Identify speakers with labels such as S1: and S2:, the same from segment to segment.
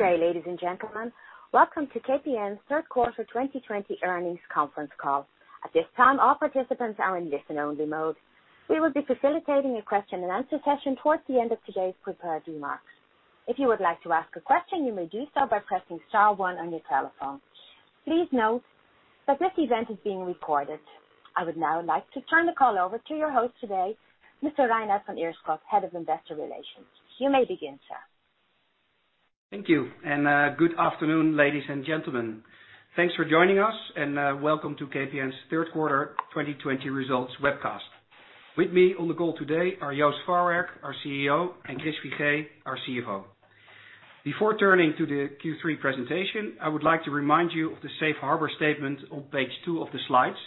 S1: Good day, ladies and gentlemen. Welcome to KPN's Third Quarter 2020 Earnings Conference Call. At this time, all participants are in listen-only mode. We will be facilitating a question and answer session towards the end of today's prepared remarks. If you would like to ask a question, you may do so by pressing star one on your telephone. Please note that this event is being recorded. I would now like to turn the call over to your host today, Mr. Reinout van Ierschot, Head of Investor Relations. You may begin, sir.
S2: Thank you. Good afternoon, ladies and gentlemen. Thanks for joining us, and welcome to KPN's third quarter 2020 results webcast. With me on the call today are Joost Farwerck, our Chief Executive Officer, and Chris Figee, our Chief Financial Officer. Before turning to the Q3 presentation, I would like to remind you of the safe harbor statement on page two of the slides,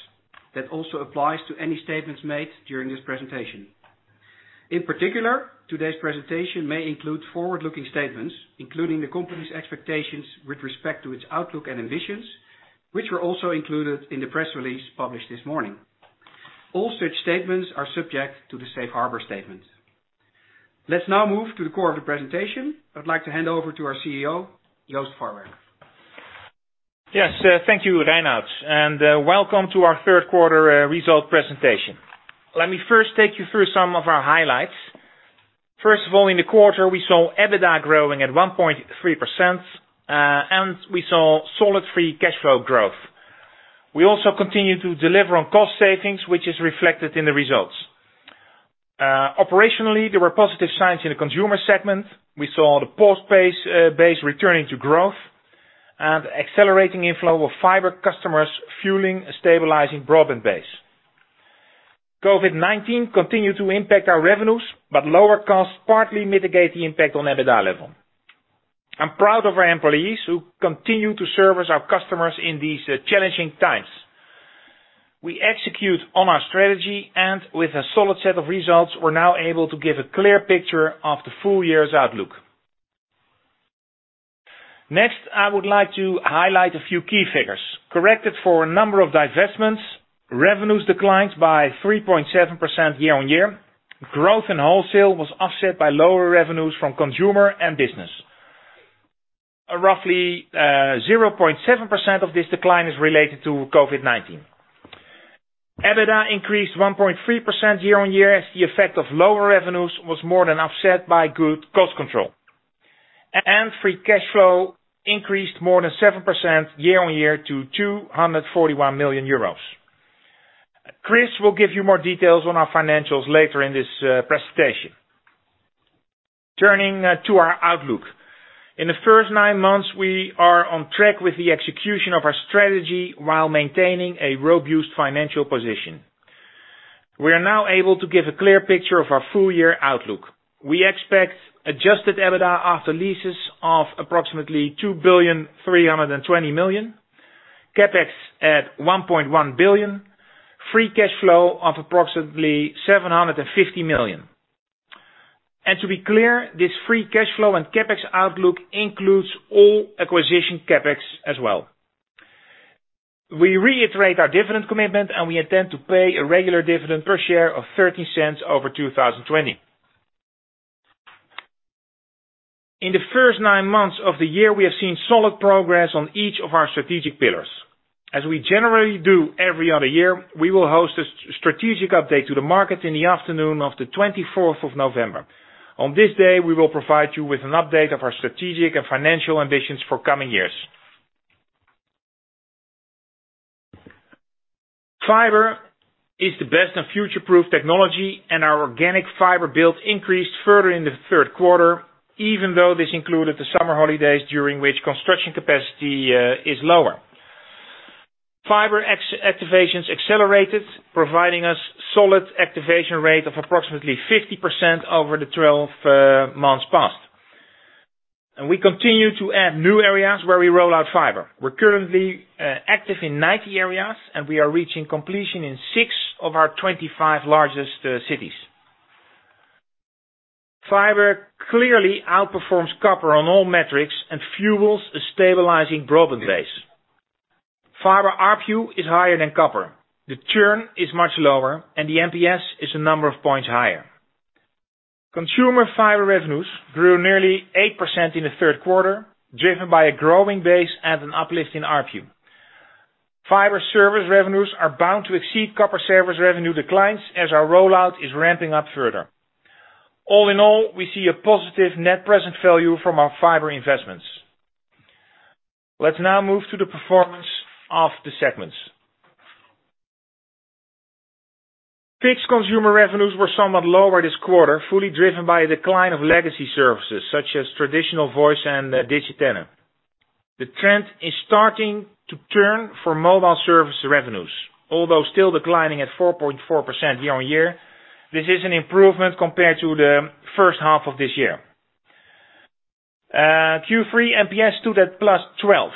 S2: that also applies to any statements made during this presentation. In particular, today's presentation may include forward-looking statements, including the company's expectations with respect to its outlook and ambitions, which were also included in the press release published this morning. All such statements are subject to the safe harbor statement. Let's now move to the core of the presentation. I'd like to hand over to our CEO, Joost Farwerck.
S3: Yes. Thank you, Reinout, and welcome to our third quarter result presentation. Let me first take you through some of our highlights. First of all, in the quarter, we saw EBITDA growing at 1.3%, and we saw solid free cash flow growth. We also continue to deliver on cost savings, which is reflected in the results. Operationally, there were positive signs in the consumer segment. We saw the post base returning to growth and accelerating inflow of fiber customers fueling a stabilizing broadband base. COVID-19 continued to impact our revenues, but lower costs partly mitigate the impact on EBITDA level. I'm proud of our employees who continue to service our customers in these challenging times. We execute on our strategy, and with a solid set of results, we're now able to give a clear picture of the full year's outlook. Next, I would like to highlight a few key figures. Corrected for a number of divestments, revenues declined by 3.7% year-on-year. Growth in wholesale was offset by lower revenues from consumer and business. Roughly 0.7% of this decline is related to COVID-19. EBITDA increased 1.3% year-on-year as the effect of lower revenues was more than offset by good cost control. Free cash flow increased more than 7% year-on-year to 241 million euros. Chris will give you more details on our financials later in this presentation. Turning to our outlook. In the first nine months, we are on track with the execution of our strategy while maintaining a robust financial position. We are now able to give a clear picture of our full-year outlook. We expect adjusted EBITDA after leases of approximately 2,320 million, CapEx at 1.1 billion, free cash flow of approximately 750 million. To be clear, this free cash flow and CapEx outlook includes all acquisition CapEx as well. We reiterate our dividend commitment, and we intend to pay a regular dividend per share of 0.13 over 2020. In the first nine months of the year, we have seen solid progress on each of our strategic pillars. As we generally do every other year, we will host a strategic update to the market in the afternoon of the 24th of November. On this day, we will provide you with an update of our strategic and financial ambitions for coming years. Fiber is the best and future-proof technology, and our organic fiber build increased further in the third quarter, even though this included the summer holidays during which construction capacity is lower. Fiber activations accelerated, providing us solid activation rate of approximately 50% over the 12 months past. We continue to add new areas where we roll out fiber. We're currently active in 90 areas, and we are reaching completion in six of our 25 largest cities. Fiber clearly outperforms copper on all metrics and fuels a stabilizing broadband base. Fiber average revenue per user is higher than copper. The churn is much lower, and the Net Promoter Score is a number of points higher. Consumer fiber revenues grew nearly 8% in the third quarter, driven by a growing base and an uplift in ARPU. Fiber service revenues are bound to exceed copper service revenue declines as our rollout is ramping up further. All in all, we see a positive net present value from our fiber investments. Let's now move to the performance of the segments. Fixed consumer revenues were somewhat lower this quarter, fully driven by a decline of legacy services such as traditional voice and Digitenne. The trend is starting to turn for mobile service revenues. Although still declining at 4.4% year-on-year, this is an improvement compared to the first half of this year. Q3 NPS stood at +12.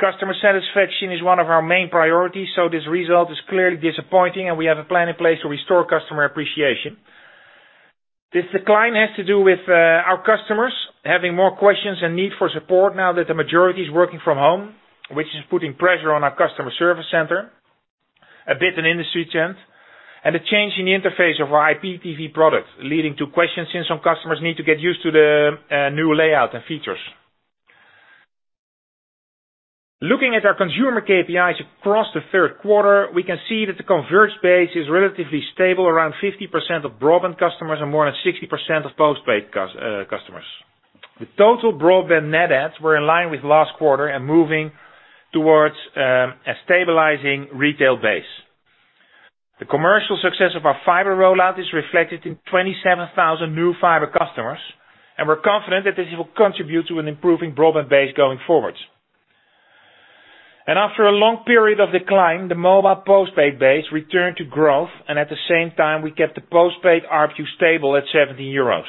S3: Customer satisfaction is one of our main priorities, so this result is clearly disappointing and we have a plan in place to restore customer appreciation. This decline has to do with our customers having more questions and need for support now that the majority is working from home, which is putting pressure on our customer service center. A bit in industry trend, and a change in the interface of our Internet Protocol television product, leading to questions since some customers need to get used to the new layout and features. Looking at our consumer key performance indicators across the third quarter, we can see that the converged base is relatively stable around 50% of broadband customers and more than 60% of postpaid customers. The total broadband net adds were in line with last quarter and moving towards a stabilizing retail base. The commercial success of our fiber rollout is reflected in 27,000 new fiber customers, and we're confident that this will contribute to an improving broadband base going forwards. After a long period of decline, the mobile postpaid base returned to growth, and at the same time, we kept the postpaid ARPU stable at 17 euros.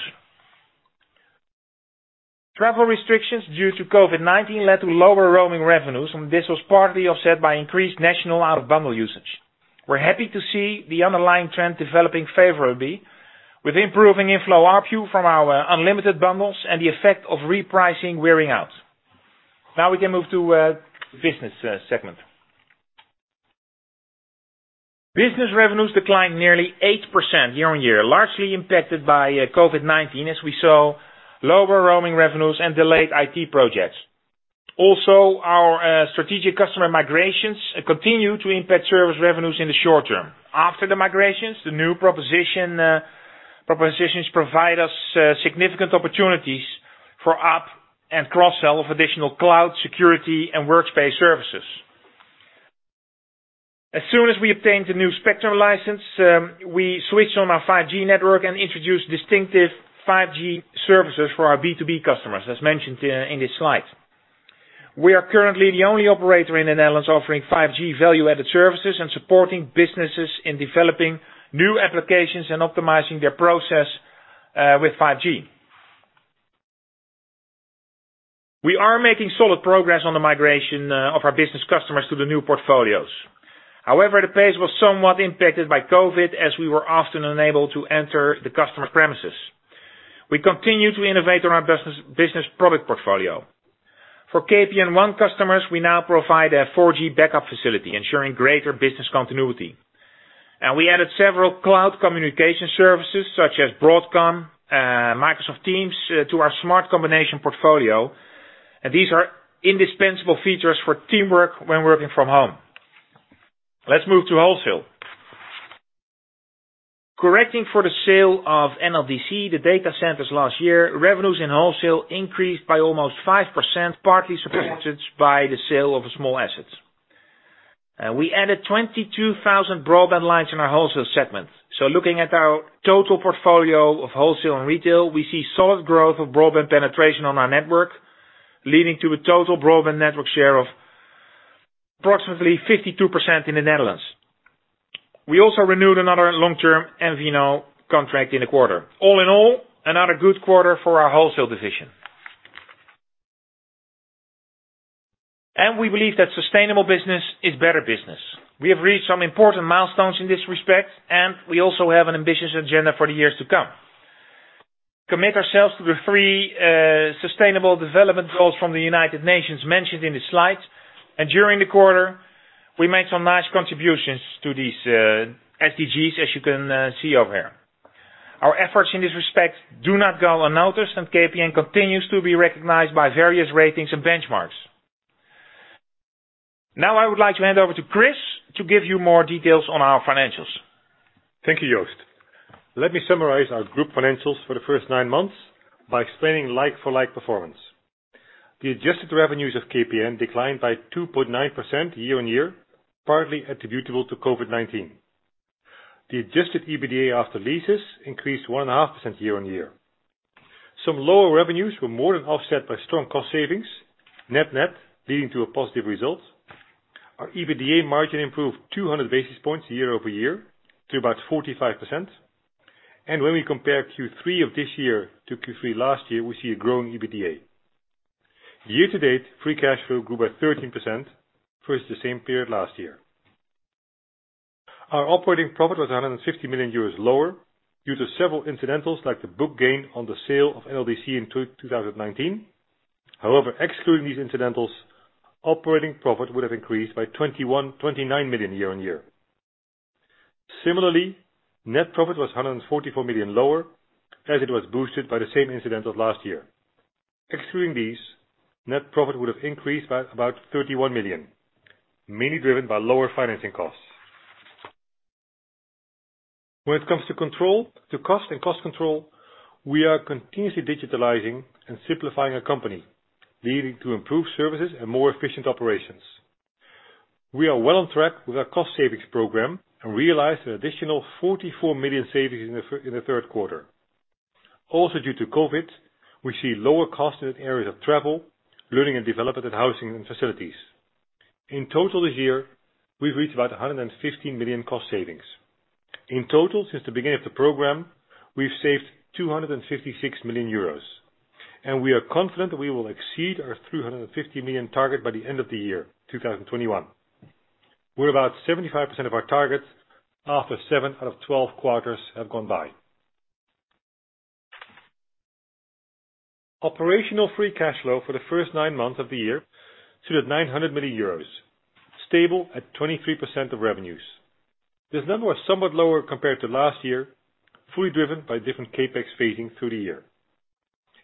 S3: Travel restrictions due to COVID-19 led to lower roaming revenues, and this was partly offset by increased national out-of-bundle usage. We're happy to see the underlying trend developing favorably, with improving inflow ARPU from our unlimited bundles and the effect of repricing wearing out. We can move to business segment. Business revenues declined nearly 8% year-on-year, largely impacted by COVID-19 as we saw lower roaming revenues and delayed IT projects. Our strategic customer migrations continue to impact service revenues in the short term. After the migrations, the new propositions provide us significant opportunities for up and cross-sell of additional cloud, security, and workspace services. As soon as we obtained the new spectrum license, we switched on our 5G network and introduced distinctive 5G services for our B2B customers, as mentioned in this slide. We are currently the only operator in the Netherlands offering 5G value-added services and supporting businesses in developing new applications and optimizing their process with 5G. We are making solid progress on the migration of our business customers to the new portfolios. However, the pace was somewhat impacted by COVID as we were often unable to enter the customer premises. We continue to innovate on our business product portfolio. For KPN One customers, we now provide a 4G backup facility, ensuring greater business continuity. We added several cloud communication services such as BroadSoft, Microsoft Teams to our Smart Combinations portfolio, and these are indispensable features for teamwork when working from home. Let's move to wholesale. Correcting for the sale of Next Level Data Centers, the data centers last year, revenues in wholesale increased by almost 5%, partly substituted by the sale of small assets. We added 22,000 broadband lines in our wholesale segment. Looking at our total portfolio of wholesale and retail, we see solid growth of broadband penetration on our network, leading to a total broadband network share of approximately 52% in the Netherlands. We also renewed another long term mobile virtual network operator contract in the quarter. All in all, another good quarter for our wholesale division. We believe that sustainable business is better business. We have reached some important milestones in this respect, and we also have an ambitious agenda for the years to come. Commit ourselves to the three Sustainable Development Goals from the United Nations mentioned in the slides, and during the quarter, we made some nice contributions to these SDGs, as you can see over here. Our efforts in this respect do not go unnoticed, and KPN continues to be recognized by various ratings and benchmarks. Now I would like to hand over to Chris Figee to give you more details on our financials.
S4: Thank you, Joost. Let me summarize our group financials for the first nine months by explaining like-for-like performance. The adjusted revenues of KPN declined by 2.9% year-on-year, partly attributable to COVID-19. The adjusted EBITDA after leases increased 1.5% year-on-year. Some lower revenues were more than offset by strong cost savings, net leading to a positive result. Our EBITDA margin improved 200 basis points year-over-year to about 45%. When we compare Q3 of this year to Q3 last year, we see a growing EBITDA. Year-to-date, free cash flow grew by 13% versus the same period last year. Our operating profit was 150 million euros lower due to several incidentals like the book gain on the sale of NLDC in 2019. However, excluding these incidentals, operating profit would have increased by 29 million year-on-year. Similarly, net profit was 144 million lower as it was boosted by the same incidentals last year. Excluding these, net profit would have increased by about 31 million, mainly driven by lower financing costs. When it comes to cost and cost control, we are continuously digitalizing and simplifying our company, leading to improved services and more efficient operations. We are well on track with our cost savings program and realized an additional 44 million savings in the third quarter. Also, due to COVID-19, we see lower costs in areas of travel, learning and development, and housing and facilities. In total this year, we've reached about 115 million cost savings. In total, since the beginning of the program, we've saved 256 million euros. We are confident that we will exceed our 350 million target by the end of the year, 2021. We're about 75% of our targets after seven out of 12 quarters have gone by. Operational free cash flow for the first nine months of the year stood at 900 million euros, stable at 23% of revenues. This number was somewhat lower compared to last year, fully driven by different CapEx phasing through the year.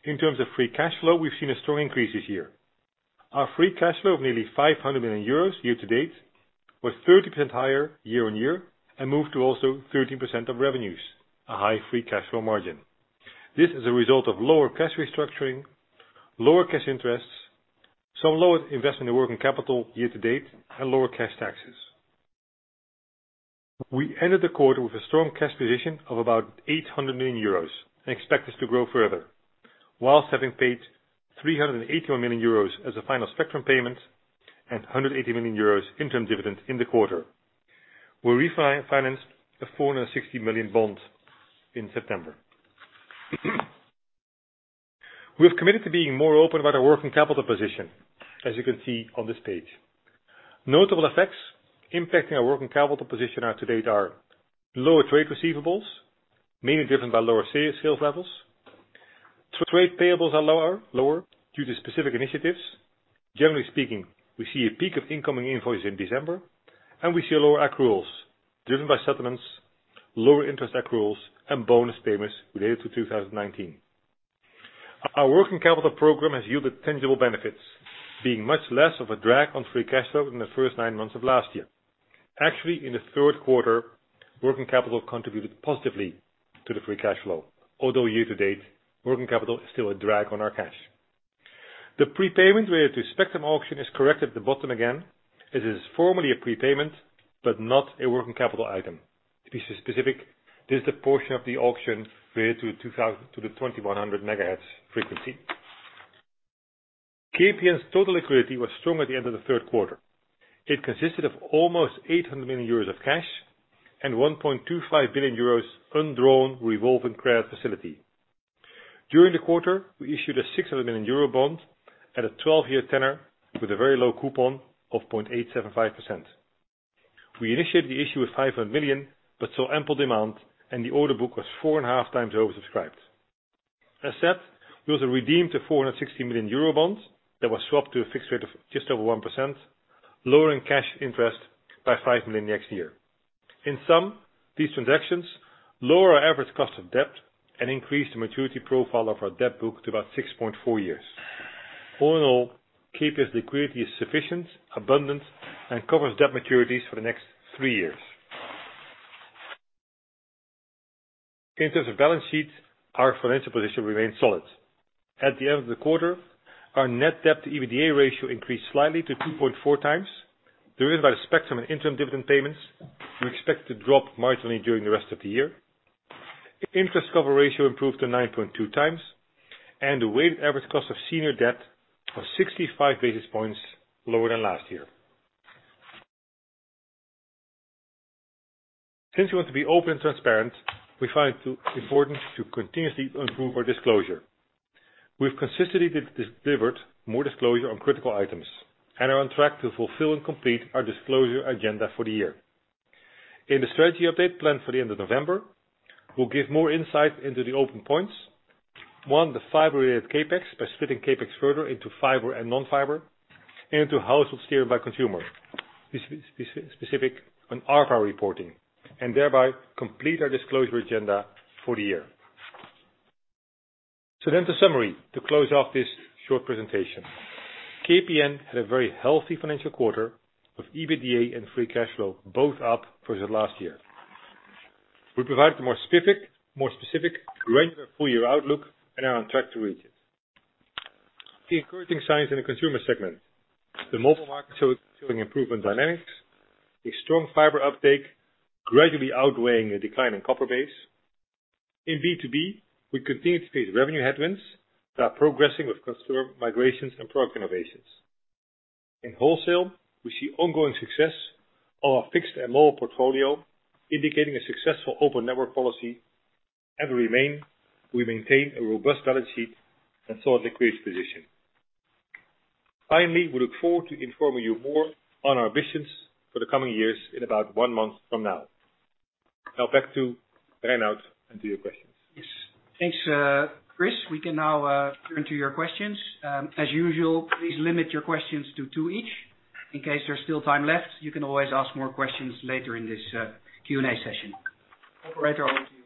S4: In terms of free cash flow, we've seen a strong increase this year. Our free cash flow of nearly 500 million euros year to date was 30% higher year-over-year and moved to also 13% of revenues, a high free cash flow margin. This is a result of lower cash restructuring, lower cash interests, some lower investment in working capital year to date, and lower cash taxes. We ended the quarter with a strong cash position of about 800 million euros and expect this to grow further whilst having paid 381 million euros as a final spectrum payment and 180 million euros interim dividend in the quarter. We refinanced a 460 million bond in September. We have committed to being more open about our working capital position, as you can see on this page. Notable effects impacting our working capital position as to date are lower trade receivables, mainly driven by lower sales levels. Trade payables are lower due to specific initiatives. Generally speaking, we see a peak of incoming invoices in December and we see lower accruals driven by settlements, lower interest accruals, and bonus payments related to 2019. Our working capital program has yielded tangible benefits, being much less of a drag on free cash flow in the first nine months of last year. Actually, in the third quarter, working capital contributed positively to the free cash flow. Year to date, working capital is still a drag on our cash. The prepayment related to spectrum auction is corrected at the bottom again. It is formally a prepayment, but not a working capital item. To be specific, this is a portion of the auction related to the 2,100 MHz frequency. KPN's total liquidity was strong at the end of the third quarter. It consisted of almost 800 million euros of cash and 1.25 billion euros undrawn revolving credit facility. During the quarter, we issued a 600 million euro bond at a 12-year tenor with a very low coupon of 0.875%. We initiated the issue with 500 million, but saw ample demand, and the order book was four and a half times oversubscribed. As said, we also redeemed a 460 million euro bond that was swapped to a fixed rate of just over 1%, lowering cash interest by five million EUR next year. In sum, these transactions lower our average cost of debt and increased the maturity profile of our debt book to about 6.4 years. All in all, KPN's liquidity is sufficient, abundant, and covers debt maturities for the next three years. In terms of balance sheets, our financial position remains solid. At the end of the quarter, our net debt to EBITDA ratio increased slightly to 2.4x, driven by the spectrum and interim dividend payments. We expect to drop marginally during the rest of the year. Interest cover ratio improved to 9.2x and the weighted average cost of senior debt was 65 basis points lower than last year. Since we want to be open and transparent, we find it important to continuously improve our disclosure. We've consistently delivered more disclosure on critical items and are on track to fulfill and complete our disclosure agenda for the year. In the strategy update planned for the end of November, we'll give more insight into the open points. One, the fiber-related CapEx by splitting CapEx further into fiber and non-fiber and into households steered by consumer, specific on ARPU reporting, and thereby complete our disclosure agenda for the year. The summary to close off this short presentation. KPN had a very healthy financial quarter with EBITDA and free cash flow both up versus last year. We provided a more specific range of our full year outlook and are on track to reach it. The encouraging signs in the consumer segment, the mobile market showing improvement dynamics, a strong fiber uptake, gradually outweighing a decline in copper base. In B2B, we continue to face revenue headwinds that are progressing with customer migrations and product innovations. In wholesale, we see ongoing success of our fixed and mobile portfolio, indicating a successful open network policy, we maintain a robust balance sheet and solid liquidity position. Finally, we look forward to informing you more on our visions for the coming years in about one month from now. Now back to Reinout and to your questions.
S2: Yes. Thanks, Chris. We can now turn to your questions. As usual, please limit your questions to two each. In case there's still time left, you can always ask more questions later in this Q&A session. Operator, over to you.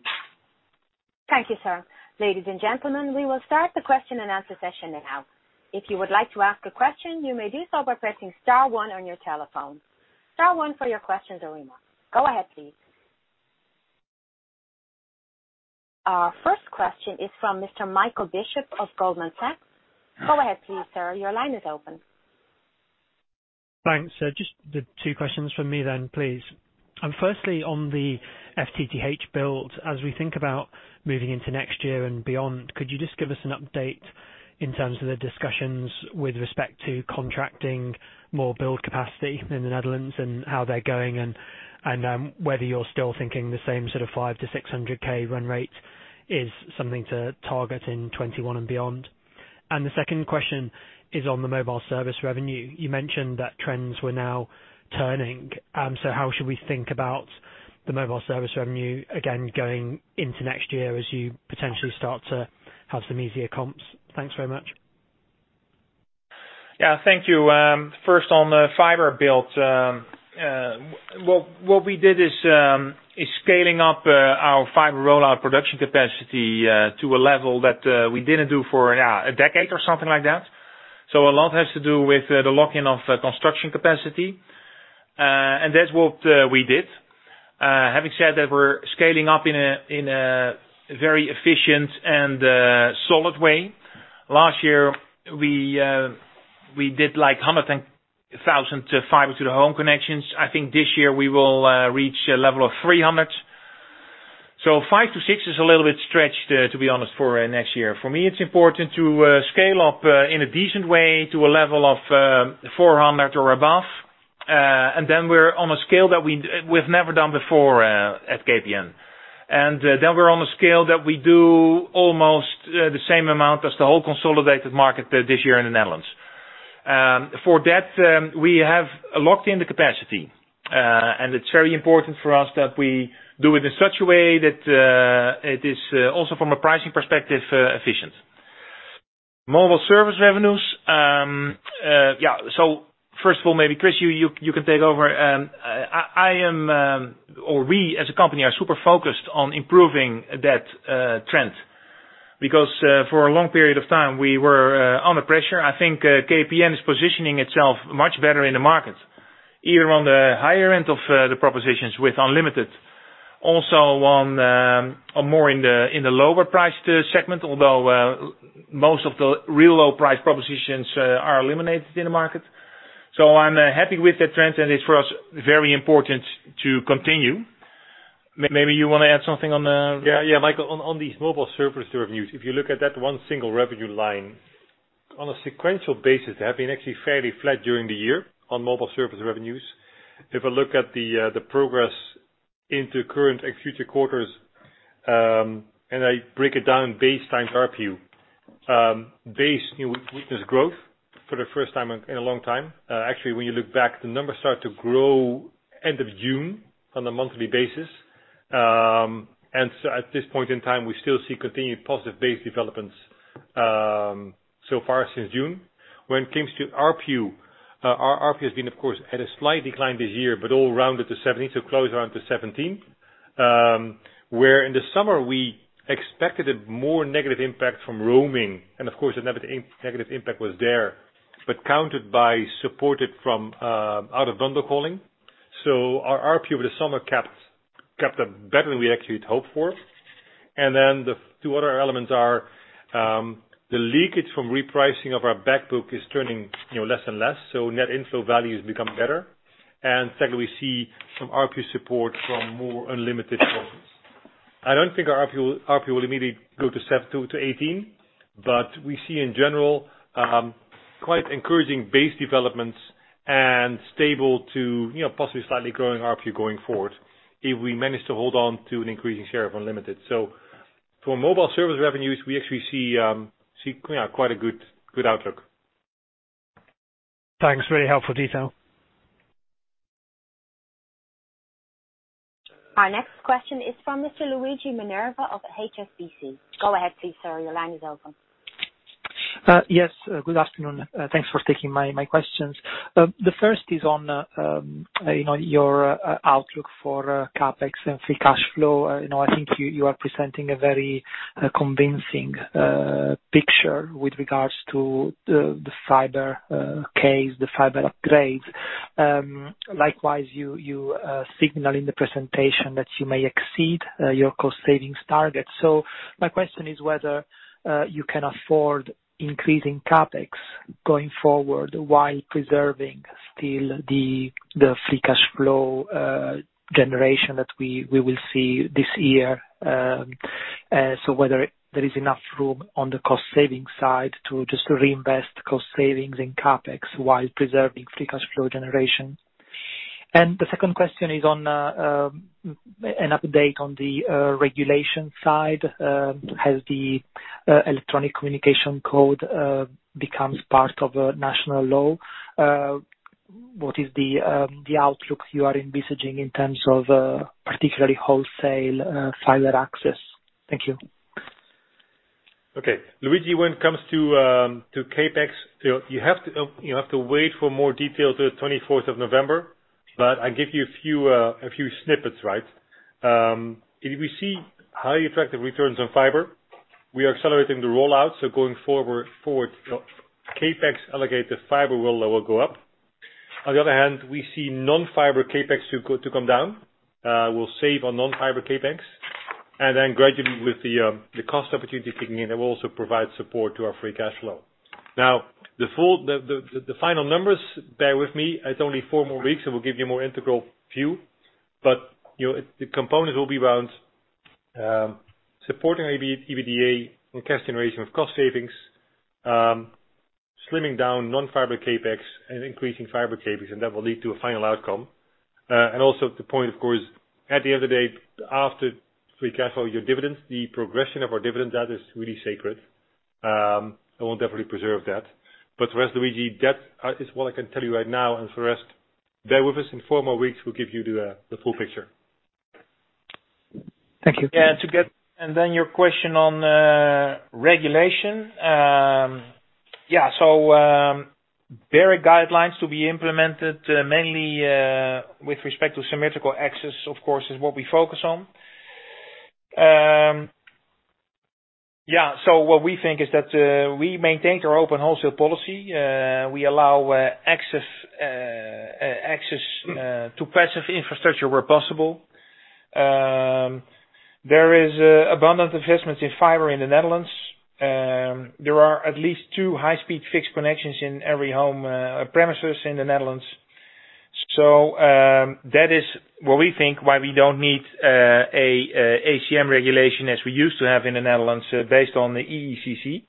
S1: Thank you, sir. Ladies and gentlemen, we will start the question and answer session now. If you would like to ask a question, you may do so by pressing star one on your telephone. Star one for your questions or remarks. Go ahead, please. Our first question is from Mr. Michael Bishop of Goldman Sachs. Go ahead please, sir. Your line is open.
S5: Thanks. Just the two questions from me then, please. Firstly, on the Fiber-to-the-Home build, as we think about moving into next year and beyond, could you just give us an update in terms of the discussions with respect to contracting more build capacity in the Netherlands and how they're going and whether you're still thinking the same sort of five to 600,000 run rate is something to target in 2021 and beyond? Is on the mobile service revenue. You mentioned that trends were now turning. How should we think about the mobile service revenue again going into next year as you potentially start to have some easier comps? Thanks very much.
S3: Yeah, thank you. First on the fiber build. What we did is scaling up our fiber rollout production capacity to a level that we didn't do for a decade or something like that. A lot has to do with the lock-in of construction capacity, and that's what we did. Having said that, we're scaling up in a very efficient and solid way. Last year, we did like [120,000] fiber to the home connections. I think this year we will reach a level of 300. Five to six is a little bit stretched, to be honest, for next year. For me, it's important to scale up in a decent way to a level of 400 or above. Then we're on a scale that we've never done before at KPN. Then we're on a scale that we do almost the same amount as the whole consolidated market this year in the Netherlands. For that, we have locked in the capacity. It's very important for us that we do it in such a way that it is, also from a pricing perspective, efficient. Mobile service revenues. First of all, maybe Chris, you can take over. I am, or we as a company are super focused on improving that trend, because for a long period of time we were under pressure. I think KPN is positioning itself much better in the market, even on the higher end of the propositions with unlimited. Also on more in the lower price segment, although most of the real low price propositions are eliminated in the market. I'm happy with that trend, and it's for us very important to continue. Maybe you want to add something.
S4: Yeah, Michael, on these mobile service revenues, if you look at that one single revenue line. On a sequential basis, they have been actually fairly flat during the year on mobile service revenues. If I look at the progress into current and future quarters, I break it down base times ARPU. Base, we witness growth for the first time in a long time. Actually, when you look back, the numbers start to grow end of June on a monthly basis. At this point in time, we still see continued positive base developments so far since June. When it comes to ARPU, our ARPU has been, of course, at a slight decline this year, all rounded to 17, close around to 17. Where in the summer we expected a more negative impact from roaming. Of course, the negative impact was there, but countered by supported by out of bundle calling. Our ARPU over the summer kept up better than we actually had hoped for. The two other elements are the leakage from repricing of our back book is turning less and less, Net inflow values become better. Secondly, we see some ARPU support from more unlimited volumes. I don't think our ARPU will immediately go to 18, We see in general quite encouraging base developments and stable to possibly slightly growing ARPU going forward if we manage to hold on to an increasing share of unlimited. For mobile service revenues, we actually see quite a good outlook.
S5: Thanks. Really helpful detail.
S1: Our next question is from Mr. Luigi Minerva of HSBC. Go ahead please, sir. Your line is open.
S6: Yes, good afternoon. Thanks for taking my questions. The first is on your outlook for CapEx and free cash flow. I think you are presenting a very convincing picture with regards to the fiber case, the fiber upgrades. Likewise, you signal in the presentation that you may exceed your cost savings target. My question is whether you can afford increasing CapEx going forward while preserving still the free cash flow generation that we will see this year. Whether there is enough room on the cost-saving side to just reinvest cost savings in CapEx while preserving free cash flow generation. The second question is on an update on the regulation side. Has the Electronic Communications Code becomes part of a national law? What is the outlook you are envisaging in terms of particularly wholesale fiber access? Thank you.
S4: Okay. Luigi, when it comes to CapEx, you have to wait for more detail till 24th of November, I give you a few snippets. If we see highly effective returns on fiber, we are accelerating the rollout, going forward, CapEx allocated fiber will go up. On the other hand, we see non-fiber CapEx to come down. We'll save on non-fiber CapEx, gradually with the cost opportunity kicking in, that will also provide support to our free cash flow. The final numbers, bear with me, it's only four more weeks, we'll give you a more integral view. The components will be around supporting EBITDA and cash generation with cost savings, slimming down non-fiber CapEx and increasing fiber CapEx, and that will lead to a final outcome. Also the point, of course, at the end of the day, after free cash flow, your dividends, the progression of our dividend, that is really sacred. I will definitely preserve that. The rest, Luigi, that is what I can tell you right now, and for the rest, bear with us in four more weeks, we'll give you the full picture.
S6: Thank you.
S3: Your question on regulation. BEREC guidelines to be implemented mainly with respect to symmetrical access, of course, is what we focus on. What we think is that we maintain our open wholesale policy. We allow access to passive infrastructure where possible. There is abundant investments in fiber in the Netherlands. There are at least two high-speed fixed connections in every home premises in the Netherlands. That is what we think why we don't need a Authority for Consumers and Markets regulation as we used to have in the Netherlands based on the European Electronic Communications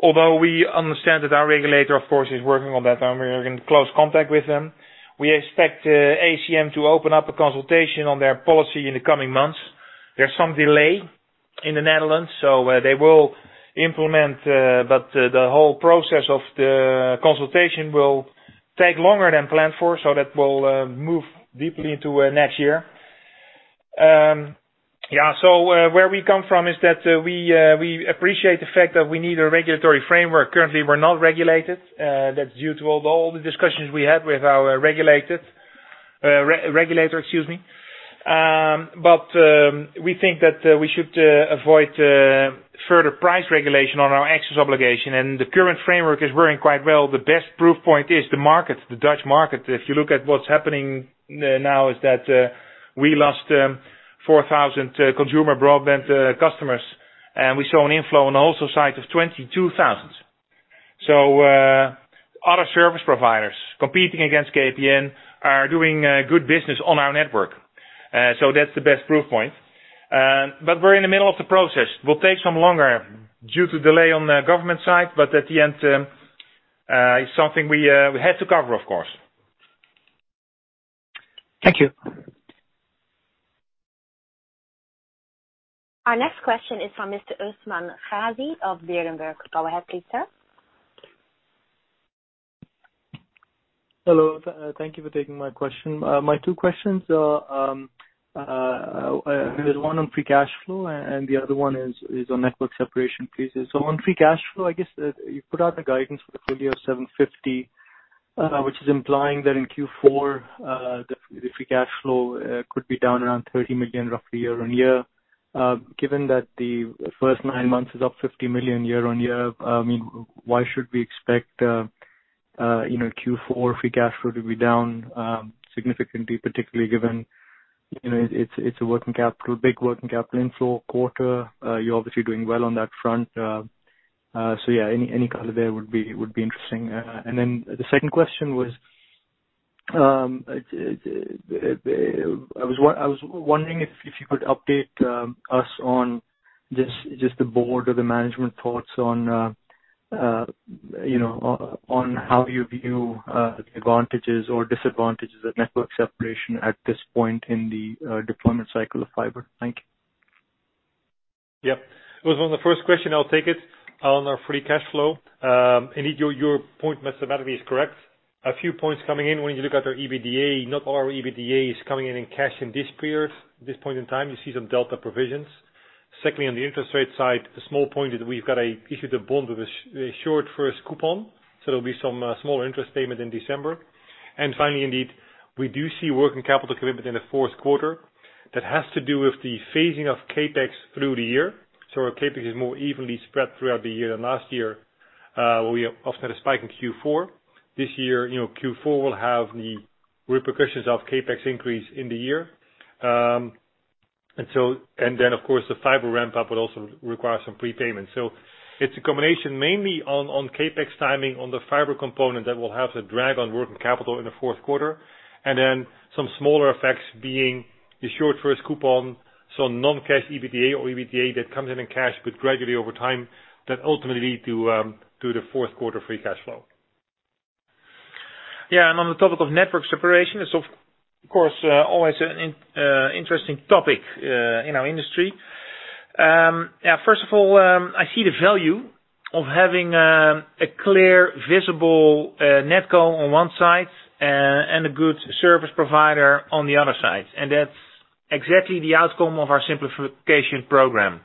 S3: Code. We understand that our regulator, of course, is working on that, and we're in close contact with them. We expect ACM to open up a consultation on their policy in the coming months. There's some delay in the Netherlands, so they will implement, but the whole process of the consultation will take longer than planned for. That will move deeply into next year. Where we come from is that we appreciate the fact that we need a regulatory framework. Currently, we're not regulated. That's due to all the discussions we had with our regulator. We think that we should avoid further price regulation on our access obligation. The current framework is working quite well. The best proof point is the market, the Dutch market. If you look at what's happening now is that we lost 4,000 consumer broadband customers. We saw an inflow on the wholesale side of 22,000. Other service providers competing against KPN are doing good business on our network. That's the best proof point. We're in the middle of the process. Will take some longer due to delay on the government side, but at the end, it's something we had to cover, of course.
S6: Thank you.
S1: Our next question is from Mr. Usman Ghazi of Berenberg. Go ahead, please sir.
S7: Hello. Thank you for taking my question. My two questions are, there's one on free cash flow, and the other one is on network separation pieces. On free cash flow, I guess you put out a guidance for full year of 750 million, which is implying that in Q4, the free cash flow could be down around 30 million, roughly year-on-year. Given that the first nine months is up 50 million year-on-year, why should we expect Q4 free cash flow to be down significantly, particularly given it's a big working capital inflow quarter. You're obviously doing well on that front. Any color there would be interesting. The second question was, I was wondering if you could update us on just the board or the management thoughts on how you view the advantages or disadvantages of network separation at this point in the deployment cycle of fiber. Thank you.
S4: Yep. Usman, on the first question, I'll take it. On our free cash flow. Indeed, your point mathematically is correct. A few points coming in. When you look at our EBITDA, not all our EBITDA is coming in cash in this period. This point in time, you see some delta provisions. Secondly, on the interest rate side, a small point is we've got a issued a bond with a short first coupon. There'll be some small interest payment in December. Finally, indeed, we do see working capital commitment in the fourth quarter that has to do with the phasing of CapEx through the year. Our CapEx is more evenly spread throughout the year than last year. We often had a spike in Q4. This year, Q4 will have the repercussions of CapEx increase in the year. Of course, the fiber ramp-up would also require some prepayment. It's a combination mainly on CapEx timing on the fiber component that will have the drag on working capital in the fourth quarter. Some smaller effects being the short first coupon, so non-cash EBITDA or EBITDA that comes in in cash, but gradually over time, that ultimately to the fourth quarter free cash flow.
S3: Yeah, on the topic of network separation, it's of course, always an interesting topic in our industry. First of all, I see the value of having a clear, visible network company on one side and a good service provider on the other side. That's exactly the outcome of our Simplification Program.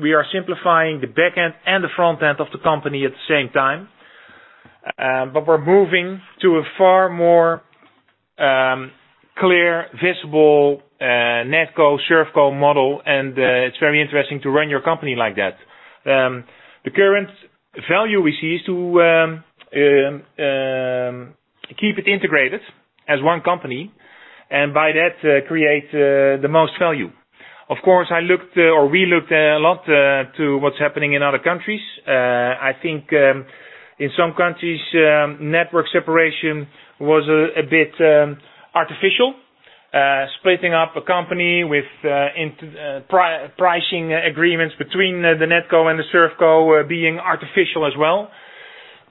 S3: We are simplifying the back end and the front end of the company at the same time. We're moving to a far more clear, visible NetCo, service company model, and it's very interesting to run your company like that. The current value we see is to keep it integrated as one company, and by that, create the most value. Of course, we looked a lot to what's happening in other countries. I think in some countries, network separation was a bit artificial. Splitting up a company with pricing agreements between the NetCo and the ServCo being artificial as well.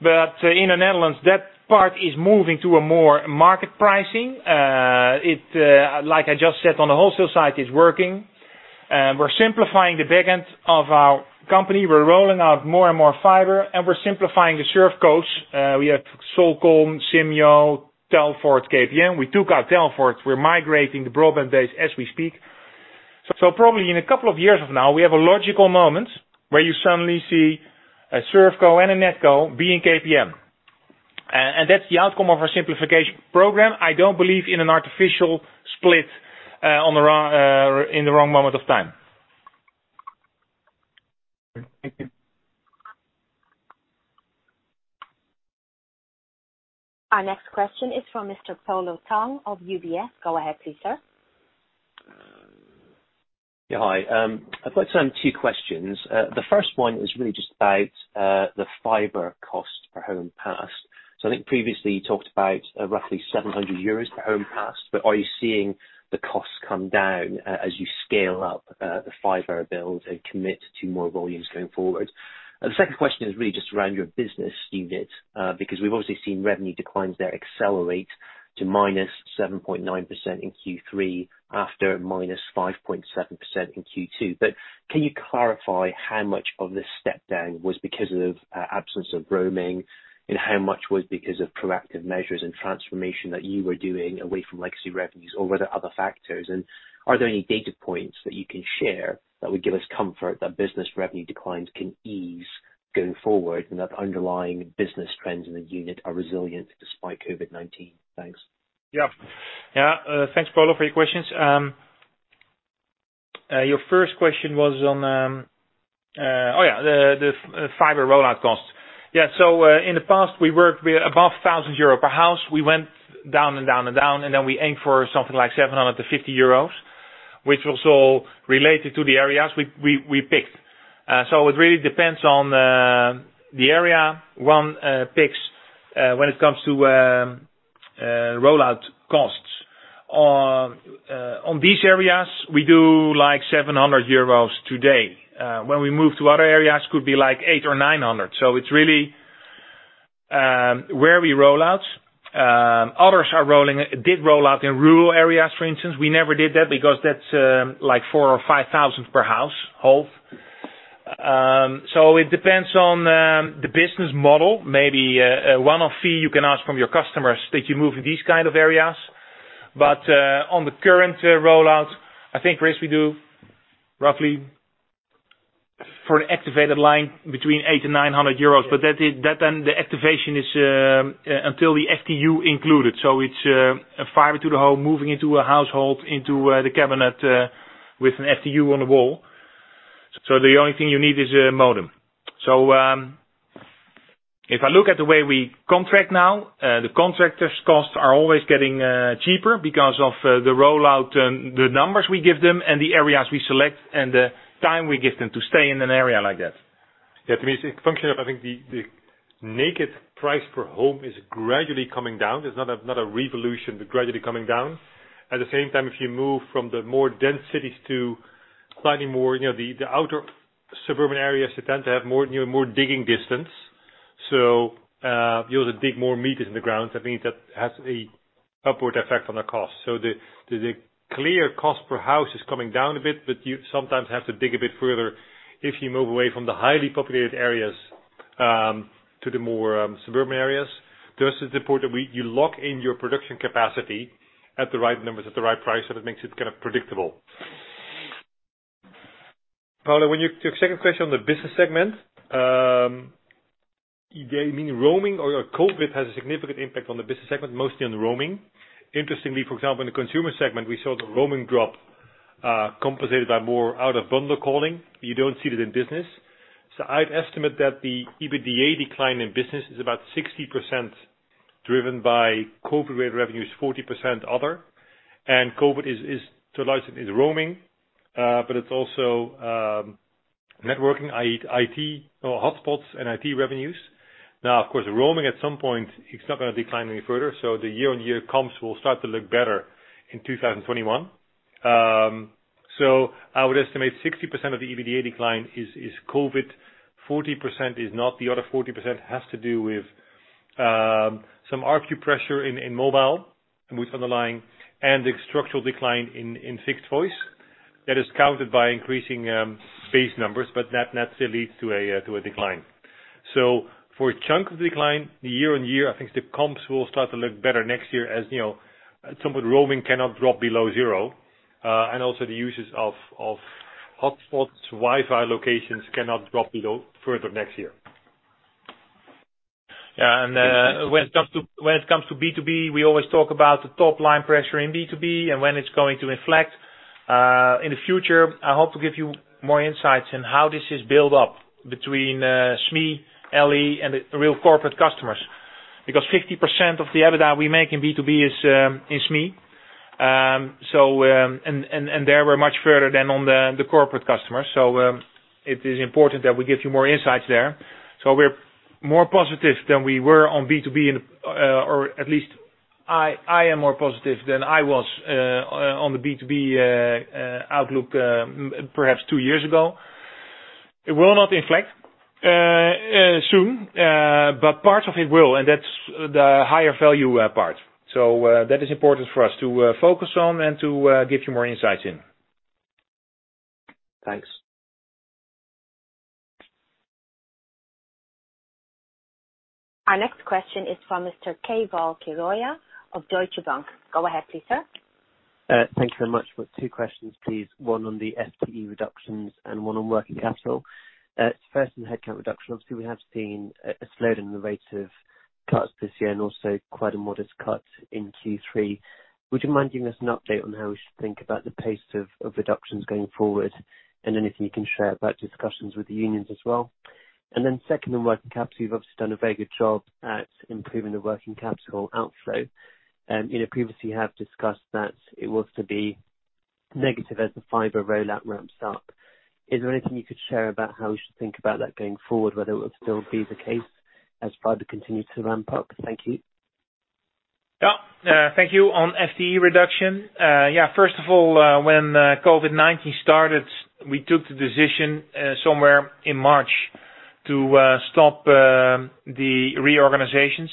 S3: In the Netherlands, that part is moving to a more market pricing. Like I just said, on the wholesale side, it's working. We're simplifying the back end of our company. We're rolling out more and more fiber, and we're simplifying the ServCos. We have Solcon, Simyo, Telfort, KPN. We took out Telfort. We're migrating the broadband base as we speak. Probably in a couple of years from now, we have a logical moment where you suddenly see a ServCo and a NetCo being KPN. That's the outcome of our simplification program. I don't believe in an artificial split in the wrong moment of time.
S7: Thank you.
S1: Our next question is from Mr. Polo Tang of UBS. Go ahead, please, sir.
S8: Yeah. Hi. I'd like to ask two questions. The first one is really just about the fiber cost per home passed. I think previously you talked about roughly 700 euros per home passed. Are you seeing the costs come down as you scale up the fiber build and commit to more volumes going forward? The second question is really just around your business unit. We've obviously seen revenue declines there accelerate to -7.9% in Q3 after -5.7% in Q2. Can you clarify how much of this step down was because of absence of roaming, and how much was because of proactive measures and transformation that you were doing away from legacy revenues? Were there other factors? Are there any data points that you can share that would give us comfort that business revenue declines can ease going forward, and that the underlying business trends in the unit are resilient despite COVID-19? Thanks.
S3: Yeah. Thanks, Polo, for your questions. Your first question was on the fiber rollout costs. In the past, we worked above 1,000 euro per house. We went down and down and down, and then we aimed for something like 750 euros, which was all related to the areas we picked. It really depends on the area one picks when it comes to rollout costs. On these areas, we do 700 euros today. When we move to other areas, it could be like 800 or 900. It's really where we rollout. Others did roll out in rural areas, for instance. We never did that because that's like 4,000 or 5,000 per household. It depends on the business model. Maybe a one-off fee you can ask from your customers that you move in these kind of areas. On the current rollout, I think, Chris, we do roughly for an activated line between 800 to 900 euros. The activation is until the Fiber Termination Unit included. It's a fiber to the home, moving into a household, into the cabinet with an FTU on the wall. The only thing you need is a modem. If I look at the way we contract now, the contractor's costs are always getting cheaper because of the rollout, the numbers we give them, and the areas we select, and the time we give them to stay in an area like that.
S4: Yeah, to me, it's a function of, I think, the naked price per home is gradually coming down. It's not a revolution, but gradually coming down. At the same time, if you move from the more dense cities to slightly more the outer suburban areas, they tend to have more digging distance. You have to dig more meters in the ground. That means that has an upward effect on the cost. The clear cost per house is coming down a bit, but you sometimes have to dig a bit further if you move away from the highly populated areas to the more suburban areas. To us, it's important you lock in your production capacity at the right numbers, at the right price, so that makes it predictable. Polo, your second question on the business segment. You mean roaming or COVID has a significant impact on the business segment, mostly on the roaming. Interestingly, for example, in the consumer segment, we saw the roaming drop compensated by more out-of-bundle calling. You don't see it in business. I'd estimate that the EBITDA decline in business is about 60% driven by COVID-related revenues, 40% other. COVID is roaming but it's also networking, hotspots, and IT revenues. Of course, the roaming at some point, it's not going to decline any further. The year-on-year comps will start to look better in 2021. I would estimate 60% of the EBITDA decline is COVID, 40% is not. The other 40% has to do with some RGU pressure in mobile with underlying and the structural decline in fixed voice that is countered by increasing base numbers, but that still leads to a decline. For a chunk of decline, year-over-year, I think the comps will start to look better next year as somewhat roaming cannot drop below zero. Also the uses of hotspots, Wi-Fi locations cannot drop below further next year.
S3: Yeah. When it comes to business-to-business, we always talk about the top line pressure in B2B and when it's going to inflect. In the future, I hope to give you more insights in how this is built up between small and medium enterprise, large enterprise, and the real corporate customers. 50% of the EBITDA we make in B2B is SME. There we're much further than on the corporate customers. It is important that we give you more insights there. We're more positive than we were on B2B, or at least I am more positive than I was on the B2B outlook perhaps two years ago. It will not inflect soon, but part of it will, and that's the higher value part. That is important for us to focus on and to give you more insights in.
S8: Thanks.
S1: Our next question is from Mr. Keval Khiroya of Deutsche Bank. Go ahead, please, sir.
S9: Thank you so much. Two questions, please. One on the FTE reductions and one on working capital. First, on headcount reduction, obviously, we have seen a slowdown in the rate of cuts this year, and also quite a modest cut in Q3. Would you mind giving us an update on how we should think about the pace of reductions going forward, and anything you can share about discussions with the unions as well? Second, on working capital, you've obviously done a very good job at improving the working capital outflow. You previously have discussed that it was to be negative as the fiber rollout ramps up. Is there anything you could share about how we should think about that going forward, whether it will still be the case as fiber continues to ramp up? Thank you.
S3: Yeah. Thank you. On FTE reduction. First of all, when COVID-19 started, we took the decision somewhere in March to stop the reorganizations.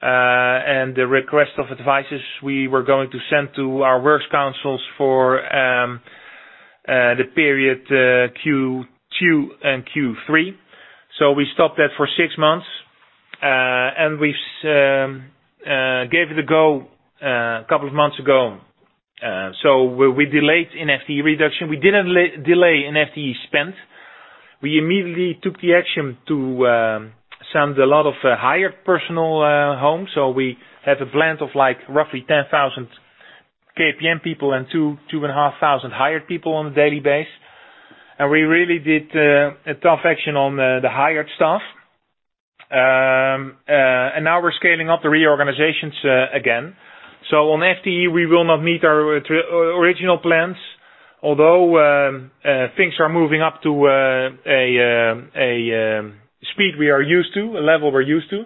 S3: The request of advices we were going to send to our works councils for the period Q2 and Q3. We stopped that for six months, and we gave it a go a couple of months ago. We delayed an FTE reduction. We didn't delay an FTE spend. We immediately took the action to send a lot of hired personnel home. We have a blend of roughly 10,000 KPN people and two and a half thousand hired people on a daily basis. We really did a tough action on the hired staff. Now we're scaling up the reorganizations again. On FTE, we will not meet our original plans. Although things are moving up to a speed we are used to, a level we're used to.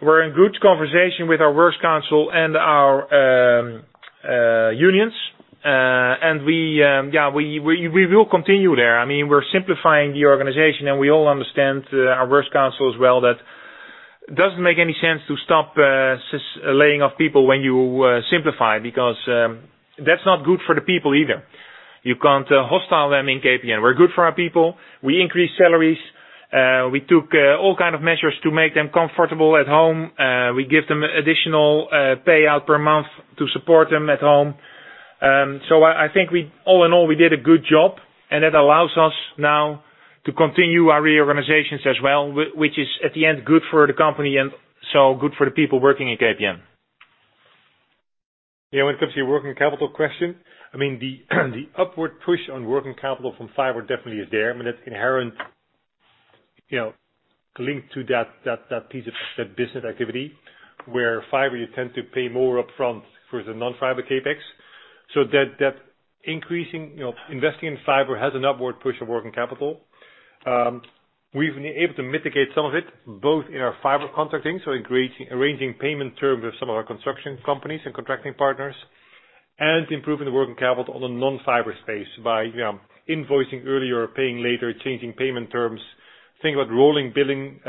S3: We're in good conversation with our works council and our unions. We will continue there. We're simplifying the organization, and we all understand, our works council as well, that it doesn't make any sense to stop laying off people when you simplify, because that's not good for the people either. You can't hostile them in KPN. We're good for our people. We increase salaries. We took all kind of measures to make them comfortable at home. We give them additional payout per month to support them at home. I think all in all, we did a good job, and that allows us now to continue our reorganizations as well, which is at the end, good for the company, and so good for the people working in KPN.
S4: When it comes to your working capital question, the upward push on working capital from fiber definitely is there. That's inherent link to that piece of that business activity, where fiber you tend to pay more upfront for the non-fiber CapEx. That increasing, investing in fiber has an upward push of working capital. We've been able to mitigate some of it, both in our fiber contracting, so arranging payment terms with some of our construction companies and contracting partners, and improving the working capital on the non-fiber space by invoicing earlier, paying later, changing payment terms, thinking about rolling billing